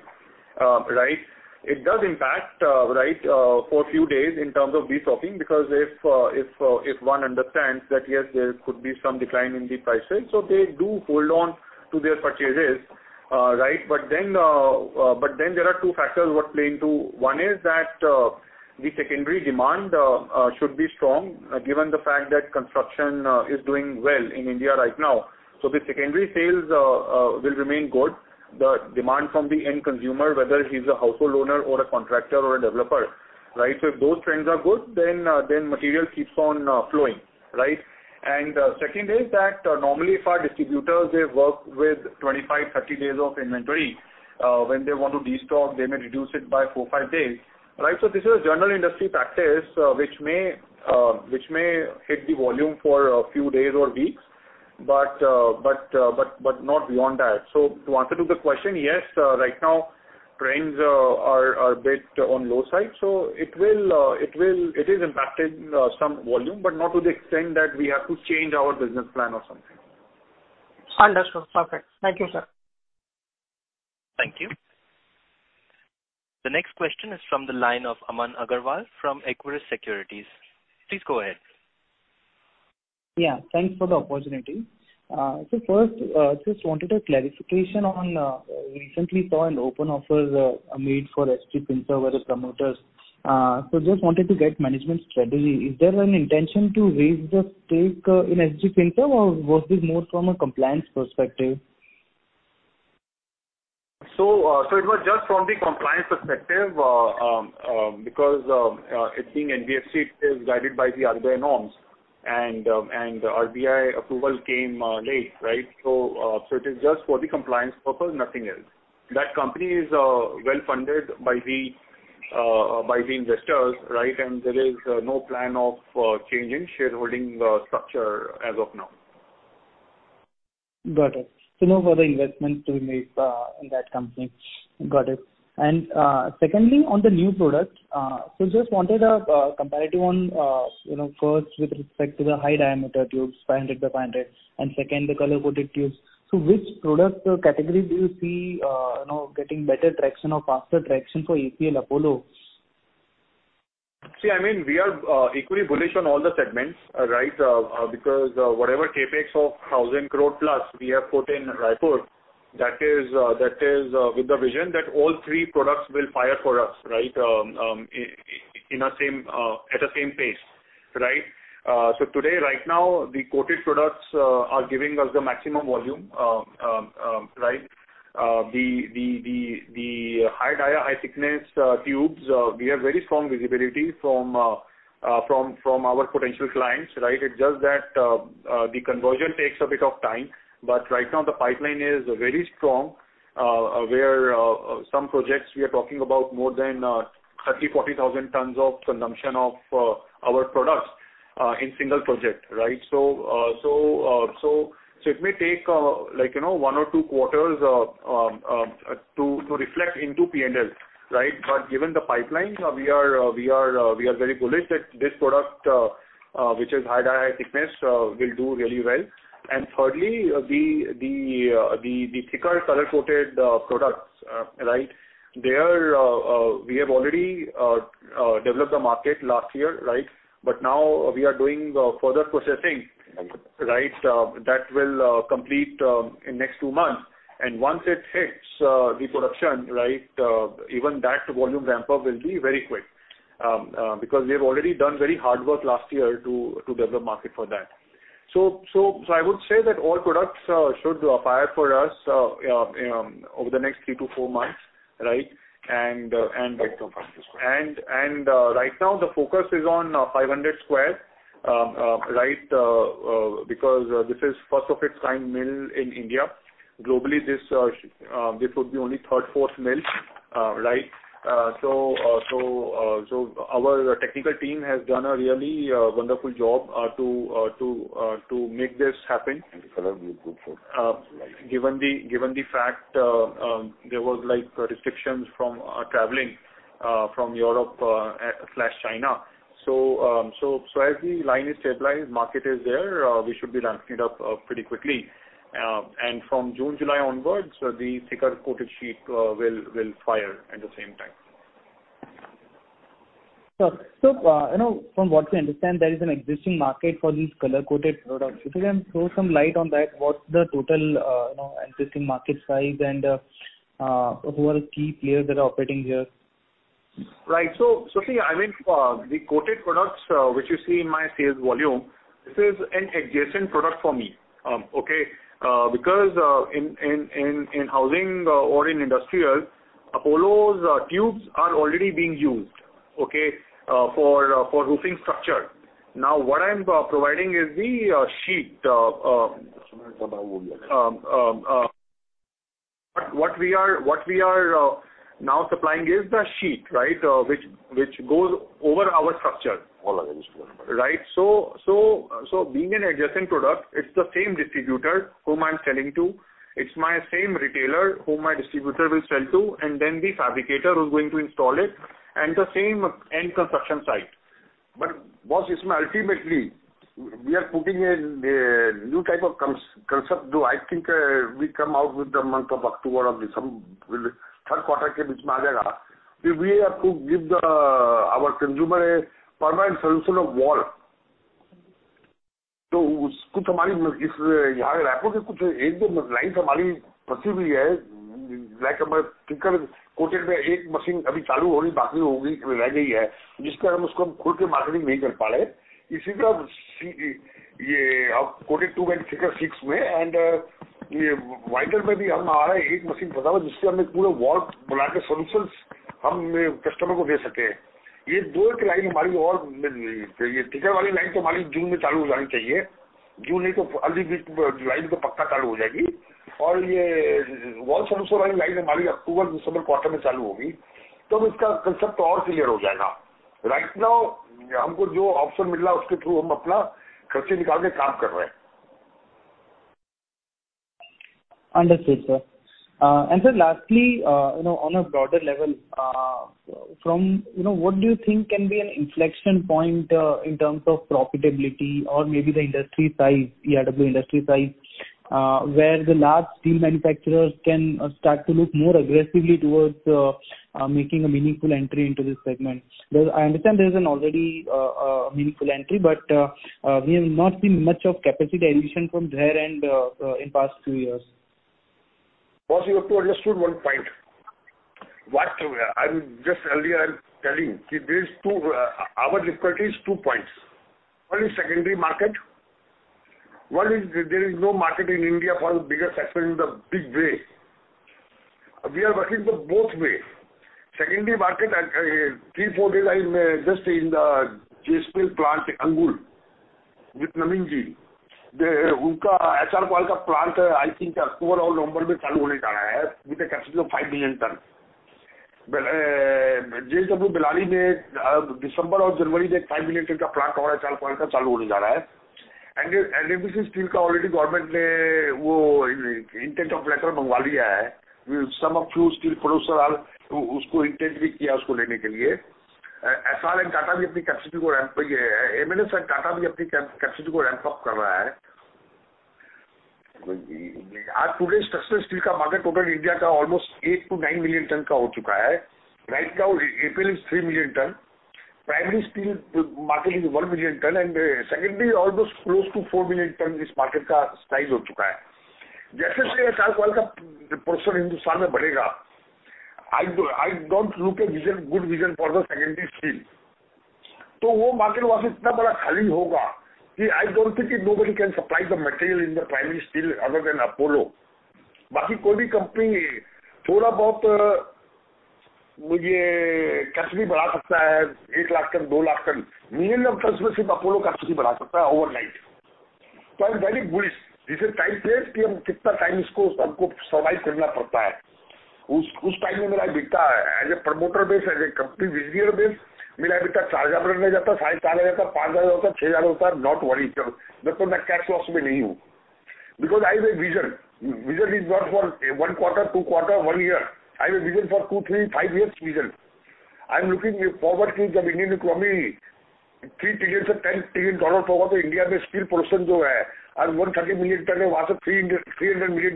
right? It does impact, right, for a few days in terms of destocking because if, if one understands that yes, there could be some decline in the prices, so they do hold on to their purchases, right. There are two factors worth playing to. One is that the secondary demand should be strong given the fact that construction is doing well in India right now. The secondary sales will remain good. The demand from the end consumer, whether he's a household owner or a contractor or a developer, right. If those trends are good, then material keeps on flowing. Right. Second is that normally for our distributors, they work with 25, 30 days of inventory. When they want to destock, they may reduce it by four, five days, right. This is a general industry practice, which may hit the volume for a few days or weeks, but not beyond that. To answer to the question, yes, right now trends are a bit on low side, it will it is impacting some volume, but not to the extent that we have to change our business plan or something. Understood. Perfect. Thank you, sir. Thank you. The next question is from the line of Aman Agarwal from Equirus Securities. Please go ahead. Thanks for the opportunity. First, just wanted a clarification on, recently saw an open offer made for SG Finserve promoters. Just wanted to get management strategy. Is there an intention to raise the stake in SG Finserve or was this more from a compliance perspective? It was just from the compliance perspective because it being NBFC, it is guided by the RBI norms and RBI approval came late, right? It is just for the compliance purpose, nothing else. That company is well funded by the investors, right? There is no plan of changing shareholding structure as of now. Got it. No further investment to be made in that company. Got it. Secondly, on the new product, just wanted a comparative on, you know, first with respect to the high diameter tubes, 500 by 500, and second, the color-coated tubes. Which product category do you see, you know, getting better traction or faster traction for APL Apollo? See, I mean, we are equally bullish on all the segments, right? Because whatever CapEx of 1,000 crore plus we have put in Raipur, that is with the vision that all three products will fire for us, right, in the same at the same pace, right? Today, right now, the coated products are giving us the maximum volume. Right? The high dia, high thickness tubes we have very strong visibility from our potential clients, right? It's just that the conversion takes a bit of time. Right now the pipeline is very strong where some projects we are talking about more than 30,000-40,000 tons of consumption of our products in single project, right? It may take, like, you know, 1 or 2 quarters to reflect into P&L, right? Given the pipelines, we are very bullish that this product, which is high dia, high thickness, will do really well. Thirdly, the thicker color-coated products, right, they are, we have already developed the market last year, right? Now we are doing further processing, right? That will complete in next 2 months. Once it hits the production, right, even that volume ramp up will be very quick. Because we have already done very hard work last year to develop market for that. I would say that all products should fire for us over the next three to four months, right? Great. No further questions. Right now the focus is on 500 square, right, because this is first of its kind mill in India. Globally, this would be only 3rd, 4th mill, right? So our technical team has done a really wonderful job to make this happen. Given the fact, there was like restrictions from traveling from Europe slash China. As the line is stabilized, market is there, we should be ramping it up pretty quickly. And from June, July onwards, the thicker coated sheet will fire at the same time. From what we understand there is an existing market for these color-coded products. If you can throw some light on that, what's the total existing market size and who are the key players that are operating here? I mean, the coated products which you see in my sales volume, this is an adjacent product for me. Okay. Because in housing or in industrial Apollo's Tubes are already being used. Okay. For roofing structure. What I'm providing is the sheet. What we are now supplying is the sheet, right. Which goes over our structure. Right. Being an adjacent product, it's the same distributor whom I'm selling to. It's my same retailer whom my distributor will sell to, and then the fabricator who is going to install it, and the same end construction site. Boss is my ultimately we are putting a new type of concept. I think we come out with the month of October or December 3rd quarter. We have to give our consumer a permanent solution of wall. कुछ हमारी इस यहां Raipur कुछ 1-2 line हमारी फंसी हुई है। Like our thicker coated में 1 machine अभी चालू होनी बाकी हो गई रह गई है, जिस पर हम उसको हम खुल के marketing नहीं कर पा रहे। इसी तरह ये coated 2 and thicker 6 में and vital में भी हम आ रहे हैं। 1 machine लगा हुआ है, जिससे हम 1 पूरे wall बनाने का solutions हम customer को दे सकें। ये 2-3 line हमारी और thicker वाली line तो हमारी June में चालू हो जानी चाहिए। June नहीं तो July में तो पक्का चालू हो जाएगी। ये wall solution वाली line हमारी October, December quarter में चालू होगी। तब इसका concept और clear हो जाएगा। Right now हमको जो option मिल रहा है, उसके through हम अपना खर्चे निकाल के काम कर रहे हैं। Understood, sir. Sir, lastly, on a broader level, from what do you think can be an inflection point in terms of profitability or maybe the industry size, ERW industry size, where the large steel manufacturers can start to look more aggressively towards making a meaningful entry into this segment? I understand there is an already a meaningful entry, but we have not seen much of capacity addition from there and in past two years. Boss, you have to understood one point. What I'm just earlier telling. Our difficulty is two points. One is secondary market. One is there is no market in India for the bigger sector in the big way. We are working the both way. Secondary market three, four days I'm just in the JSP plant Angul with Naveen Jindal. Unka HR coil ka plant I think October or November mein chalu hone ja raha hai with a capacity of 5 million tons. JSW Ballari mein December or January mein 5 million tons ka plant hamara HR coil ka chalu hone ja raha hai. NMDC Steel ka already government ne wo intent of letter mangwa liya hai. Some of few steel producer usko intent bhi kiya usko lene ke liye. MNS and Tata bhi apni capacity ko ramp up kar raha hai. Aaj today structural steel ka market total India ka almost 8-9 million tons ka ho chuka hai. Right now, APL Apollo is 3 million tons. Primary steel market is 1 million tons secondary almost close to 4 million tons is market ka size ho chuka hai. Jaise jaise HR coil ka proportion Hindustan mein badhega. I don't look a vision, good vision for the secondary steel. Wo market wahan se itna bada khali hoga ki I don't think nobody can supply the material in the primary steel other than Apollo. Baaki koi bhi company thoda bahut mujhe capacity badha sakta hai, 1 lakh tons, 2 lakh tons. Minimum tons mein sirf Apollo capacity badha sakta hai overnight. I'm very bullish. This is time se ki hum kitna time isko humko survive karna padta hai. Us time mein mera bikta hai. As a promoter base, as a company visionary base, mera bikta INR 4,000 rehne jaata, INR 4,500 rehta, INR 5,000 hota, INR 6,000 hota. Not worry. Main koi cash loss mein nahi hu. I have a vision. Vision is not for 1 quarter, 2 quarters, 1 year. I have a vision for 2, 3, 5 years vision. I'm looking forward to the Indian economy $3 trillion se $10 trillion hoga to India mein steel proportion jo hai aaj 130 million tons hai wahan se 300 million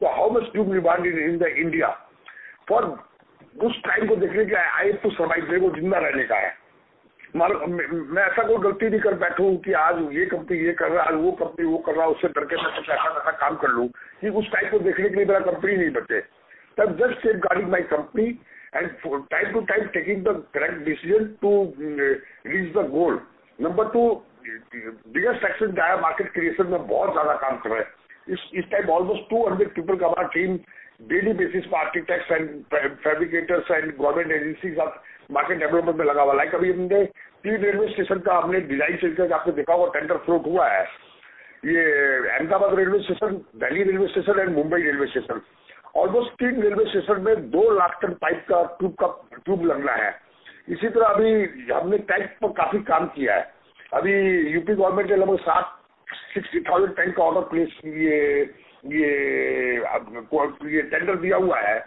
tons tak pohchega. How much tube demand is in India? For us time ko dekhne kya hai, I have to survive. Mere ko zinda rehne ka hai. Main aisa koi galti nahi kar baithu ki aaj ye company ye kar raha hai, wo company wo kar raha hai. Usse darr ke main aisa kaam kar lu ki us time ko dekhne ke liye mera company nahi bache. I'm just safeguarding my company and time to time taking the correct decision to reach the goal. Number two, biggest section jo hai market creation mein bahut jyada kaam kar raha hai. Is time almost 200 people ka hamara team daily basis par architects and fabricators and government agencies with market development mein laga hua hai. Like abhi humne three railway station ka humne design karl ke aapne dekha hoga tender float hua hai. Ye Ahmedabad Railway Station, Delhi Railway Station and Mumbai Railway Station. Almost three railway station mein 200,000 ton pipe ka tube lagna hai. Isi tarah abhi humne tank par kaafi kaam kiya hai. Abhi UP government ne almost 60,000 tanks ka order place ye tender diya hua hai.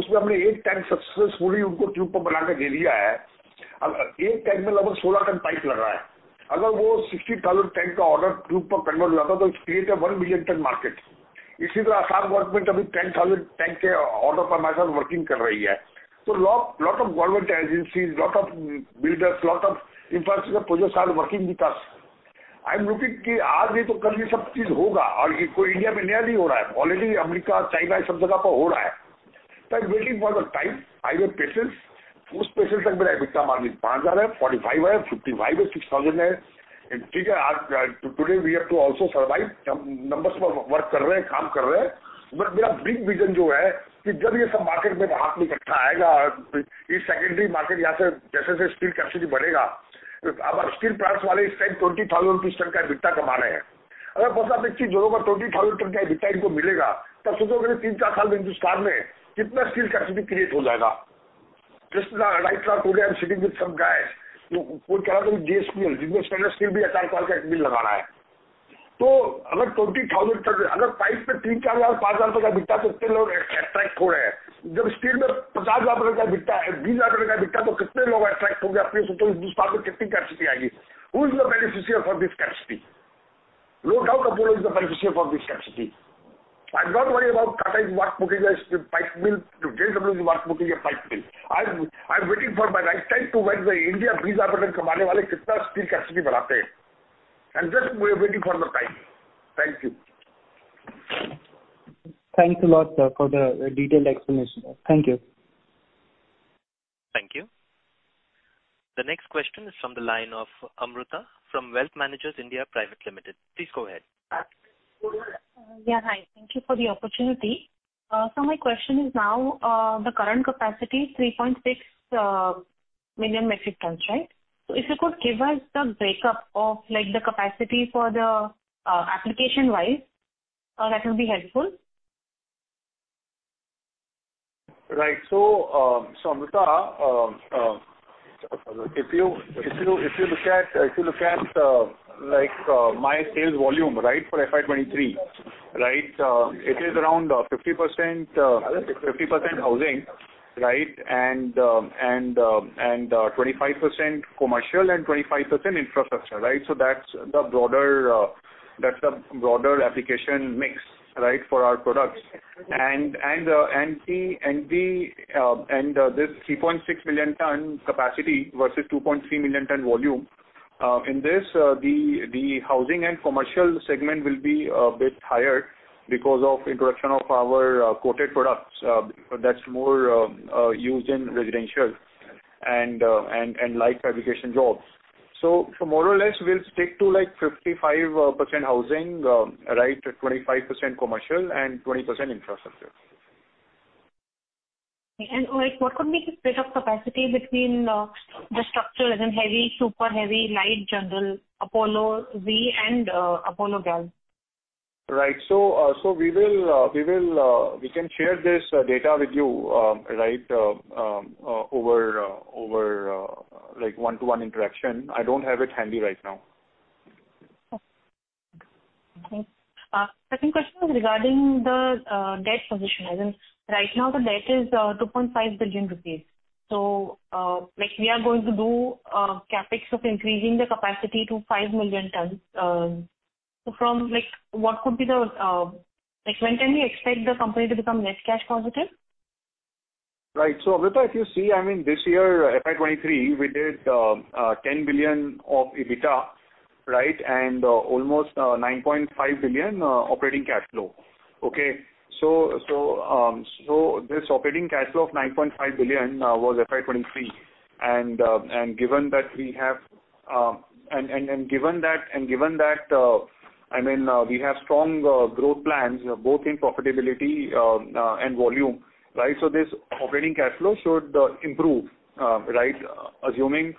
Usme humne 1 tank successfully unko tube par bana ke de diya hai. 1 tank mein almost 16 ton pipe lag raha hai. Agar wo 60,000 tanks ka order tube par convert hota to it creates a 1 million ton market. Similarly, Assam government, I mean, 10,000 tank order per month are working. Lot of government agencies, lot of builders, lot of infrastructure projects are working with us. I'm looking at today, tomorrow this thing will happen and this is not new in India. Already America, China, all these places it is happening. I'm waiting for the time. I have patience. With that patience my EBITDA margin is 5%, 45%, 55%, 6,000%. Today we have to also survive. We are working on numbers. My big vision is that when all this comes together in the market, this secondary market from here, as the steel capacity increases. Our steel plants are currently earning EBITDA of INR 20,000 per ton. If they get INR 20,000 per ton of EBITDA, think about it, in 3-4 years, how much steel capacity will be created in India? Just tonight I'm sitting with some guys who are saying that JSW, Jindal Steel is also setting up a 4 lakh ton mill. If 20,000 ton, if pipe has EBITDA of INR 3,000, INR 4,000, INR 5,000, how many people are getting attracted? When steel has EBITDA of INR 50,000, EBITDA of INR 20,000, how many people will get attracted? You think how much capacity will come to India? Who is the beneficial for this capacity? No doubt Apollo is the beneficial for this capacity. I'm not worried about Tata's work, putting a pipe mill. JSW's work, putting a pipe mill. I'm waiting for my right time to when the India will earn how much steel capacity they make. I'm just waiting for the time. Thank you. Thanks a lot, sir, for the detailed explanation. Thank you. Thank you. The next question is from the line of Amruta from Wealth Managers India Private Limited. Please go ahead. Yeah, hi. Thank you for the opportunity. My question is now, the current capacity is 3.6 million metric tons, right? If you could give us the breakup of, like, the capacity for the application-wise, that will be helpful. Right. Amruta, if you look at my sales volume, for FY 2023, it is around 50% housing, and 25% commercial and 25% infrastructure, right? That's the broader application mix, right, for our products. This 3.6 million ton capacity versus 2.3 million ton volume, in this, the housing and commercial segment will be a bit higher because of introduction of our coated products, that's more used in residential and light fabrication jobs. More or less we'll stick to like 55% housing, right, 25% commercial and 20% infrastructure. what could be the split of capacity between the structure as in heavy, super heavy, light, general, Apollo Build and Apollo Galv? Right. We can share this data with you, right, over like one-to-one interaction. I don't have it handy right now. Okay. Second question is regarding the debt position. As in right now the debt is 2.5 billion rupees. We are going to do CapEx of increasing the capacity to 5 million tons. From what could be the, like when can we expect the company to become net cash positive? Right. Amruta, if you see, I mean, this year, FY2023, we did 10 billion of EBITDA, right, and almost 9.5 billion operating cash flow. Okay. This operating cash flow of 9.5 billion was FY2023. Given that we have, I mean, we have strong growth plans both in profitability and volume, right? This operating cash flow should improve, right, assuming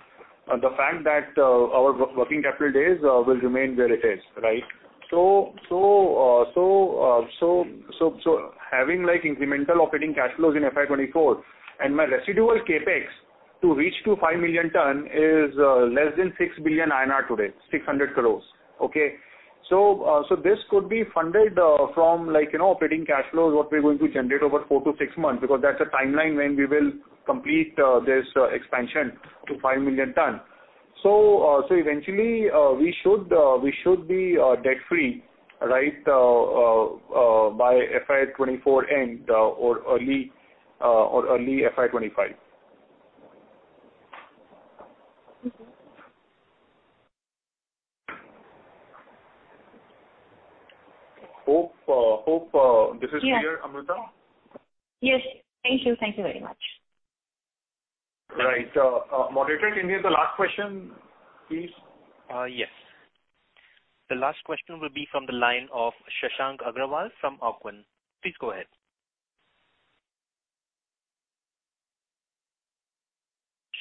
the fact that our working capital days will remain where it is, right? Having like incremental operating cash flows in FY2024 and my residual CapEx to reach to 5 million tons is less than 6 billion INR today, 600 crores. Okay. This could be funded from like, you know, operating cash flows, what we're going to generate over 4 to 6 months, because that's a timeline when we will complete this expansion to 5 million tons. Eventually, we should be debt free, right, by FY 24 end, or early FY 25. Mm-hmm. Hope, this is clear, Amruta. Yes. Thank you. Thank you very much. Right. moderator, can we have the last question, please? Yes. The last question will be from the line of Shashank Agrawal from Aarjavin. Please go ahead.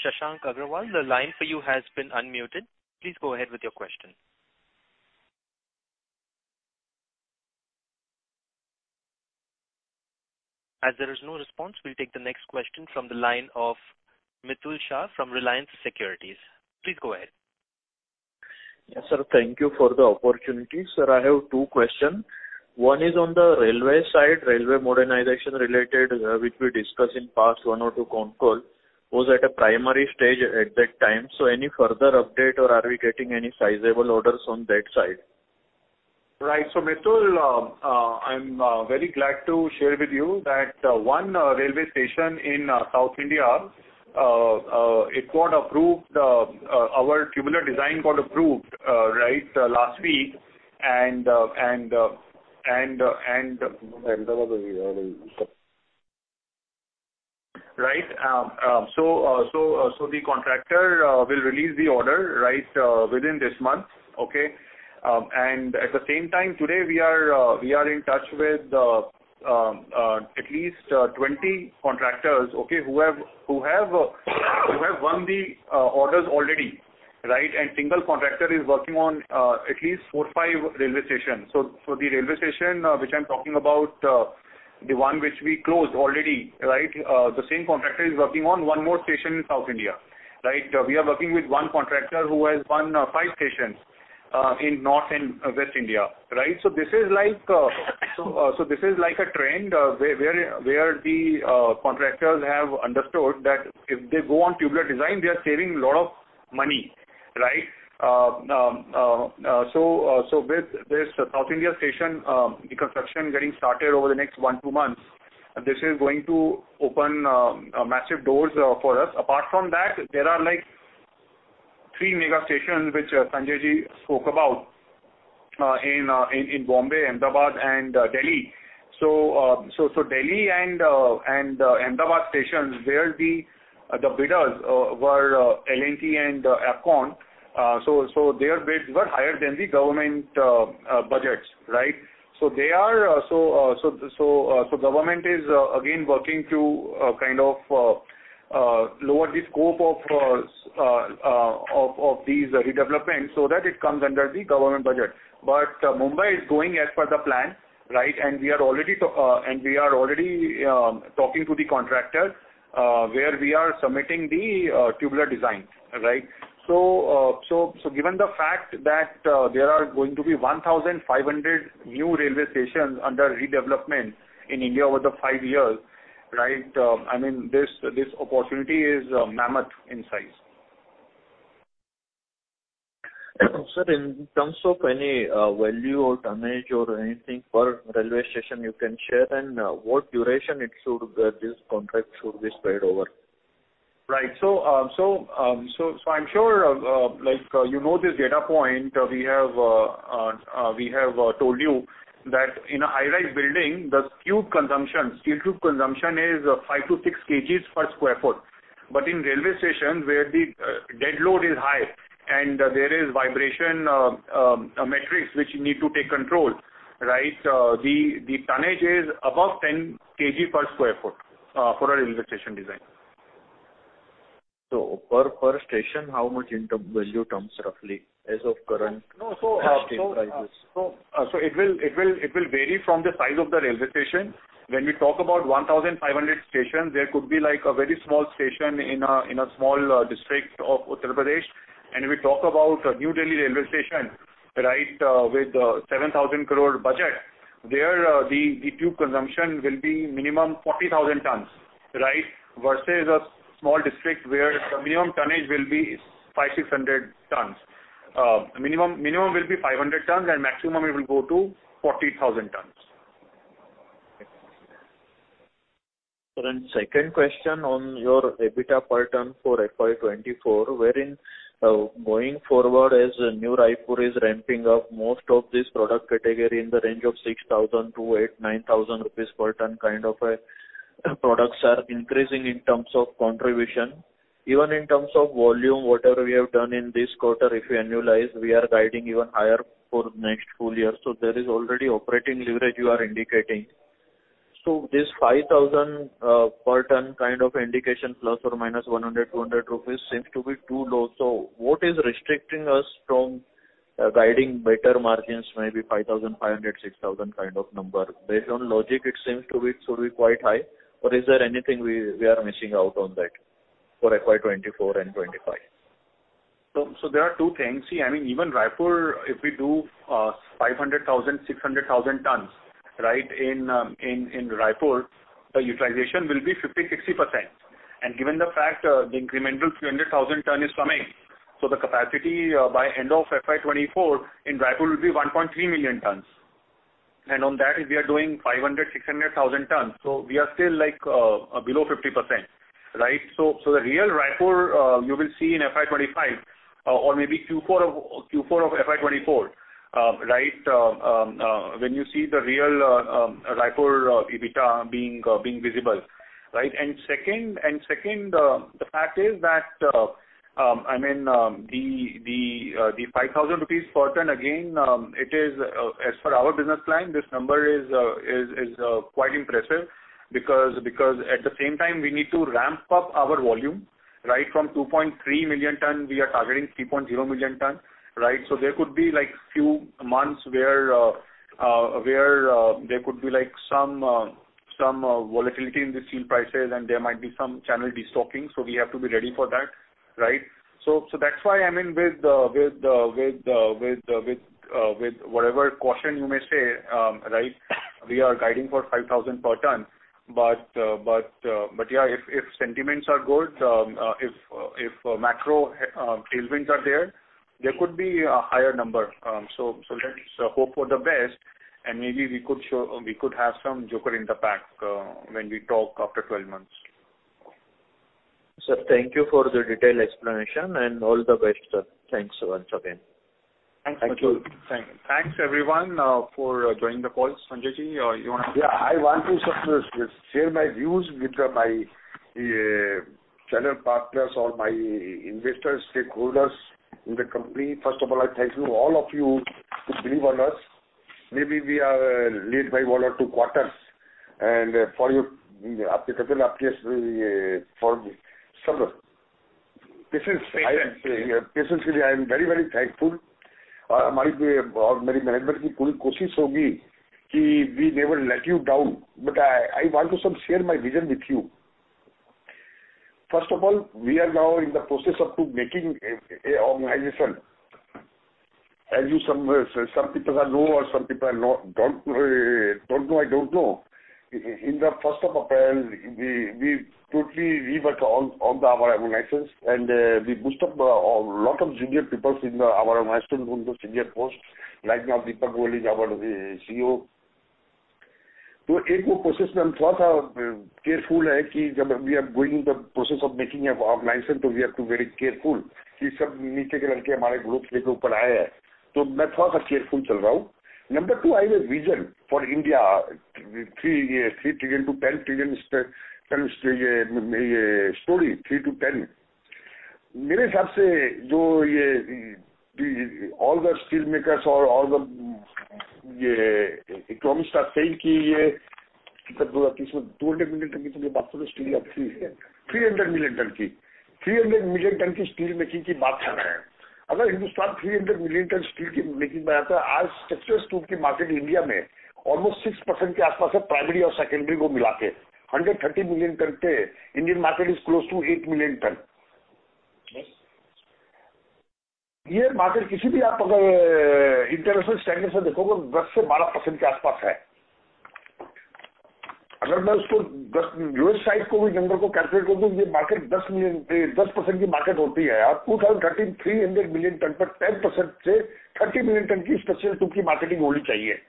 Shashank Agrawal, the line for you has been unmuted. Please go ahead with your question. As there is no response, we'll take the next question from the line of Mitul Shah from Reliance Securities. Please go ahead. Yes, sir. Thank you for the opportunity. Sir, I have 2 question. One is on the railway side, railway modernization related, which we discussed in past 1 or 2 call. Was at a primary stage at that time. Any further update or are we getting any sizable orders on that side? Right. Mitul, I'm very glad to share with you that one railway station in South India, it got approved, our tubular design got approved, right, last week. Right. The contractor will release the order, right, within this month. Okay. At the same time today, we are in touch with at least 20 contractors, who have won the orders already, right? Single contractor is working on at least four or five railway stations. The railway station which I'm talking about, the one which we closed already, right, the same contractor is working on one more station in South India. Right. We are working with 1 contractor who has won 5 stations in North and West India. Right. This is like so this is like a trend where the contractors have understood that if they go on tubular design, they are saving a lot of money, right? With this South India station, the construction getting started over the next 1, 2 months, this is going to open massive doors for us. Apart from that, there are, like, 3 mega stations which Sanjay Ji spoke about in Bombay, Ahmedabad, and Delhi. Delhi and Ahmedabad stations, where the bidders were L&T and Afcons, their bids were higher than the government budgets, right? They are, so government is again working to kind of lower the scope of these redevelopments so that it comes under the government budget. Mumbai is going as per the plan, right? We are already talking to the contractors where we are submitting the tubular design. Right? Given the fact that there are going to be 1,500 new railway stations under redevelopment in India over the 5 years, right, I mean, this opportunity is mammoth in size. Sir, in terms of any value or tonnage or anything per railway station you can share, and what duration this contract should be spread over? Right. I'm sure, like, you know this data point we have told you that in a high-rise building, the tube consumption, steel tube consumption is 5-6 kgs per sq ft. In railway stations where the dead load is high and there is vibration metrics which need to take control, right, the tonnage is above 10 kg per sq ft for a railway station design. Per station, how much in value terms roughly as of current prices? It will vary from the size of the railway station. When we talk about 1,500 stations, there could be like a very small station in a small district of Uttar Pradesh. We talk about New Delhi Railway Station, right, with 7,000 crore budget. There, the tube consumption will be minimum 40,000 tons, right, versus a small district where the minimum tonnage will be 500-600 tons. Minimum will be 500 tons and maximum it will go to 40,000 tons. Second question on your EBITDA per ton for FY 2024, wherein going forward as new Raipur is ramping up most of this product category in the range of 6,000-9,000 rupees per ton kind of products are increasing in terms of contribution. Even in terms of volume, whatever we have done in this quarter, if you annualize, we are guiding even higher for next full year. There is already operating leverage you are indicating. This 5,000 per ton kind of indication plus or minus 100-200 rupees seems to be too low. What is restricting us from guiding better margins, maybe 5,500-6,000 kind of number? Based on logic, it should be quite high. Is there anything we are missing out on that for FY 2024 and 2025? There are two things. I mean, even Raipur, if we do 500,000, 600,000 tons, right, in Raipur, the utilization will be 50%-60%. Given the fact, the incremental 300,000 ton is coming, so the capacity by end of FY 2024 in Raipur will be 1.3 million tons. On that we are doing 500,000, 600,000 tons. We are still, like, below 50%, right? The real Raipur you will see in FY 2025, or maybe Q4 of FY 2024, right, when you see the real Raipur EBITDA being visible. Right? Second, the fact is that, I mean, the 5,000 rupees per ton again, it is as for our business line, this number is quite impressive because at the same time we need to ramp up our volume, right. From 2.3 million tons, we are targeting 3.0 million tons, right. There could be like few months where there could be like some volatility in the steel prices and there might be some channel destocking, so we have to be ready for that. Right. That's why I mean with whatever question you may say, right, we are guiding for 5,000 per ton. But if sentiments are good if macro tailwinds are there there could be a higher number. So let's hope for the best and maybe we could have some joker in the pack when we talk after 12 months. Sir, thank you for the detailed explanation and all the best, sir. Thanks once again. Thanks everyone for joining the call. Sanjay Ji you want to. Yeah I want to share my views with my channel partners or my investors, stakeholders in the company. First of all I thank you all of you to believe on us. Maybe we are late by one or two quarters and for you for some patience. I am very very thankful. हमारी और मेरी management की पूरी कोशिश होगी कि we never let you down. I want to share my vision with you. First of all we are now in the process of making a organization. As you some people know or some people don't know. I don't know. In the first of April we totally revert on our organization and we boost up a lot of junior people in our organization to senior post. Right now Deepak Goyal is our CEO. एक वो process में थोड़ा सा careful है कि जब we are going the process of making a organization to we have to very careful कि सब नीचे के लड़के हमारे group के ऊपर आए हैं तो मैं थोड़ा सा careful चल रहा हूं. Number two I have a vision for India 3 trillion to 10 trillion story 3 to 10. मेरे हिसाब से जो ये all the steelmakers or all the economists say कि ये 2030 में 200 million tons की तो ये बात तो steel of 300 million tons की 300 million tons की steelmaking की बात कर रहे हैं. Hindustan 300 million tons steel की making बनाता है आज structural tube की market India में almost 6% के आसपास है primary और secondary को मिलाते हैं. 130 million tons के Indian market is close to 8 million tons. ये market किसी भी आप अगर international standard से देखोगे 10%-12% के आसपास है. मैं उसको U.S. side को भी number को calculate कर दूं, ये market 10 million 10% की market होती है. 2013 300 million tons पर 10% से 30 million tons की special tube की marketing होनी चाहिए.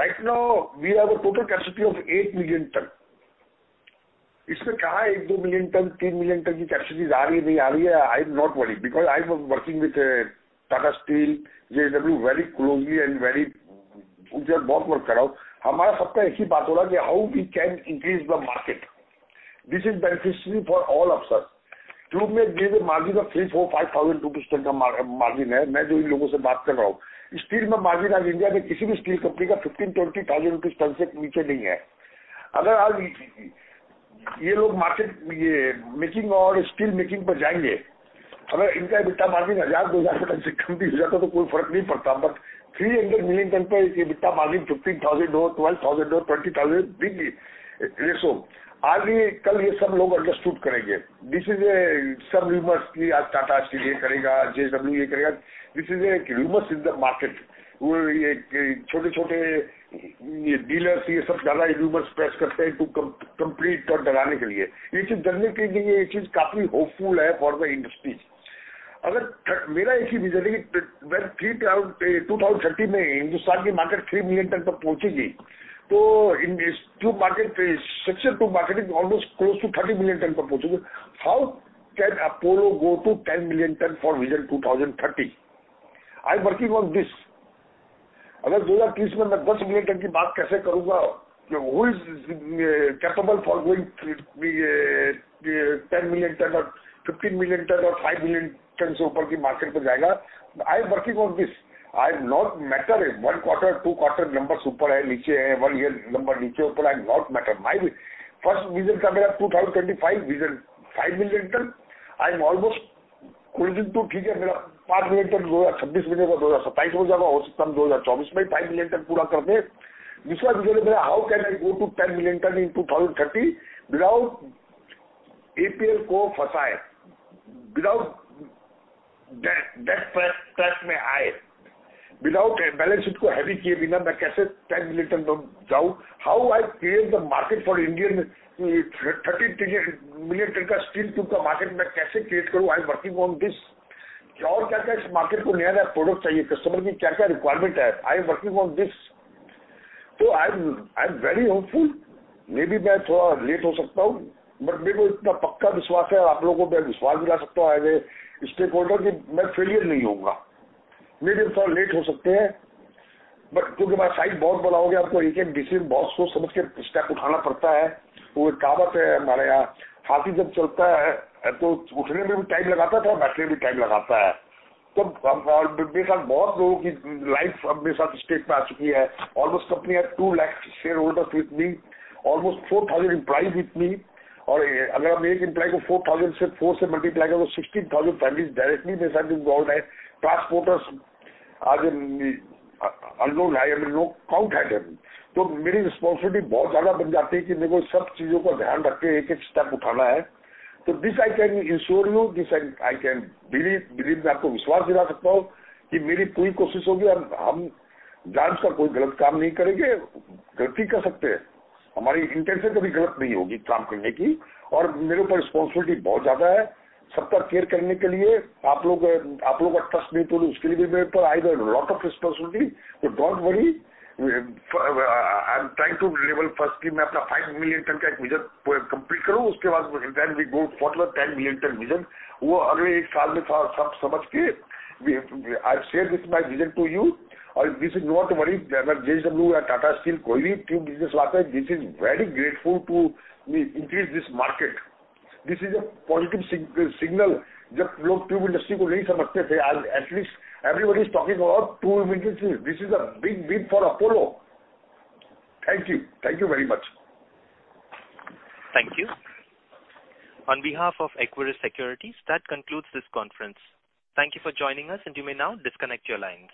Right now we have a total capacity of 8 million tons. इसमें कहा 1, 2 million tons, 3 million tons की capacities आ रही है नहीं आ रही है. I am not worried because I was working with Tata Steel, JSW very closely and very we are बहुत work कर रहा हूं. हमारा सबका एक ही बात होगा how we can increase the market. This is beneficiary for all of us. Tube में these are margin of INR 3,000, INR 4,000, INR 5,000 till the margin है. मैं जो इन लोगों से बात कर रहा हूं steel में margin आज India में किसी भी steel company का INR 15,000-20,000/ton से नीचे नहीं है. अगर आज ये लोग market making और steel making पर जाएंगे. अगर इनका EBITDA margin INR 1,000-2,000/ton से कम भी हो जाता तो कोई फर्क नहीं पड़ता. 300 million ton पर EBITDA margin INR 15,000 हो, INR 12,000 हो, INR 20,000 be it ratio. आज भी कल ये सब लोग understood करेंगे. This is a सब rumors कि आज Tata Steel ये करेगा, JSW ये करेगा. This is a rumors in the market. ये छोटे छोटे dealers ये सब ज्यादा rumors press करते हैं to compete और डराने के लिए। ये चीज डरने के लिए नहीं है। ये चीज काफी hopeful है for the industry. मेरा एक ही vision है कि when 2030 में Hindustan की market 3 million tons पर पहुंचेगी तो in tube market structure tube market is almost close to 30 million tons पर पहुंचेगी। How can Apollo go to 10 million tons for vision 2030? I am working on this. 2030 में मैं 10 million tons की बात कैसे करूंगा। Who is capable for going 10 million tons or 15 million tons or 5 million tons से ऊपर की market पर जाएगा। I am working on this. I am not matter 1 quarter 2 quarters numbers ऊपर है नीचे है 1 year number नीचे ऊपर I am not matter. My first vision था मेरा 2025 vision 5 million tons. I am almost closing to ठीक है मेरा 5 million tons 2026 हो जाएगा 2027 हो जाएगा। हो सकता है 2024 में ही 5 million tons पूरा कर दें। दूसरा vision है मेरा how can I go to 10 million tons in 2030 without APL को फंसाए। Without debt press में आए। Without balance sheet को heavy किए बिना मैं कैसे 10 million tons जाऊं। How I create the market for Indian 30 trillion million tons का steel tube का market मैं कैसे create करूं। I am working on this. क्या और क्या क्या इस market को नया नया product चाहिए। Customer की क्या क्या requirement है। I am working on this. I am very hopeful. Maybe मैं थोड़ा late हो सकता हूं। मेरे को इतना पक्का विश्वास है आप लोगों को मैं विश्वास दिला सकता हूं as a stakeholder कि मैं failure नहीं होऊँगा। Maybe मैं थोड़ा late हो सकते हैं। क्योंकि मैं size बहुत बढ़ाऊंगा तो एक एक decision बहुत सोच समझ के step उठाना पड़ता है। वो एक काम है हमारे यहां हाथी जब चलता है तो उठने में भी time लगाता है और बैठने में भी time लगाता है। मेरे साथ बहुत लोगों की life अपने साथ stake में आ चुकी है। Almost company has 200,000 shareholders with me. Almost 4,000 employees with me. अगर हम one employee को 4,000 से 4 से multiply करें तो 16,000 families directly मेरे साथ involved हैं। Transporters आज unknown है। I mean no count है their. मेरी responsibility बहुत ज्यादा बन जाती है कि मेरे को सब चीजों का ध्यान रख के एक-एक step उठाना है. This I can assure you this I can believe मैं आपको विश्वास दिला सकता हूं कि मेरी पूरी कोशिश होगी और हम glance पर कोई गलत काम नहीं करेंगे. गलती कर सकते हैं. हमारी intention कभी गलत नहीं होगी काम करने की. मेरे ऊपर responsibility बहुत ज्यादा है सब पर care करने के लिए. आप लोगों का trust नहीं तोले उसके लिए भी मेरे ऊपर I have a lot of responsibility. Don't worry. I am trying to level first कि मैं अपना 5 million ton का एक vision complete करूं. उसके बाद we go for the 10 million ton vision. वो अगले 1 साल में सब समझ के I have shared this my vision to you. This is no want to worry. When JSW and Tata Steel कोई भी tube business latte this is very grateful to increase this market. This is a positive signal. जब लोग tube industry को नहीं समझते थे at least everybody is talking about tube industry. This is a big win for Apollo. Thank you. Thank you very much. Thank you. On behalf of Equirus Securities that concludes this conference. Thank you for joining us. You may now disconnect your lines.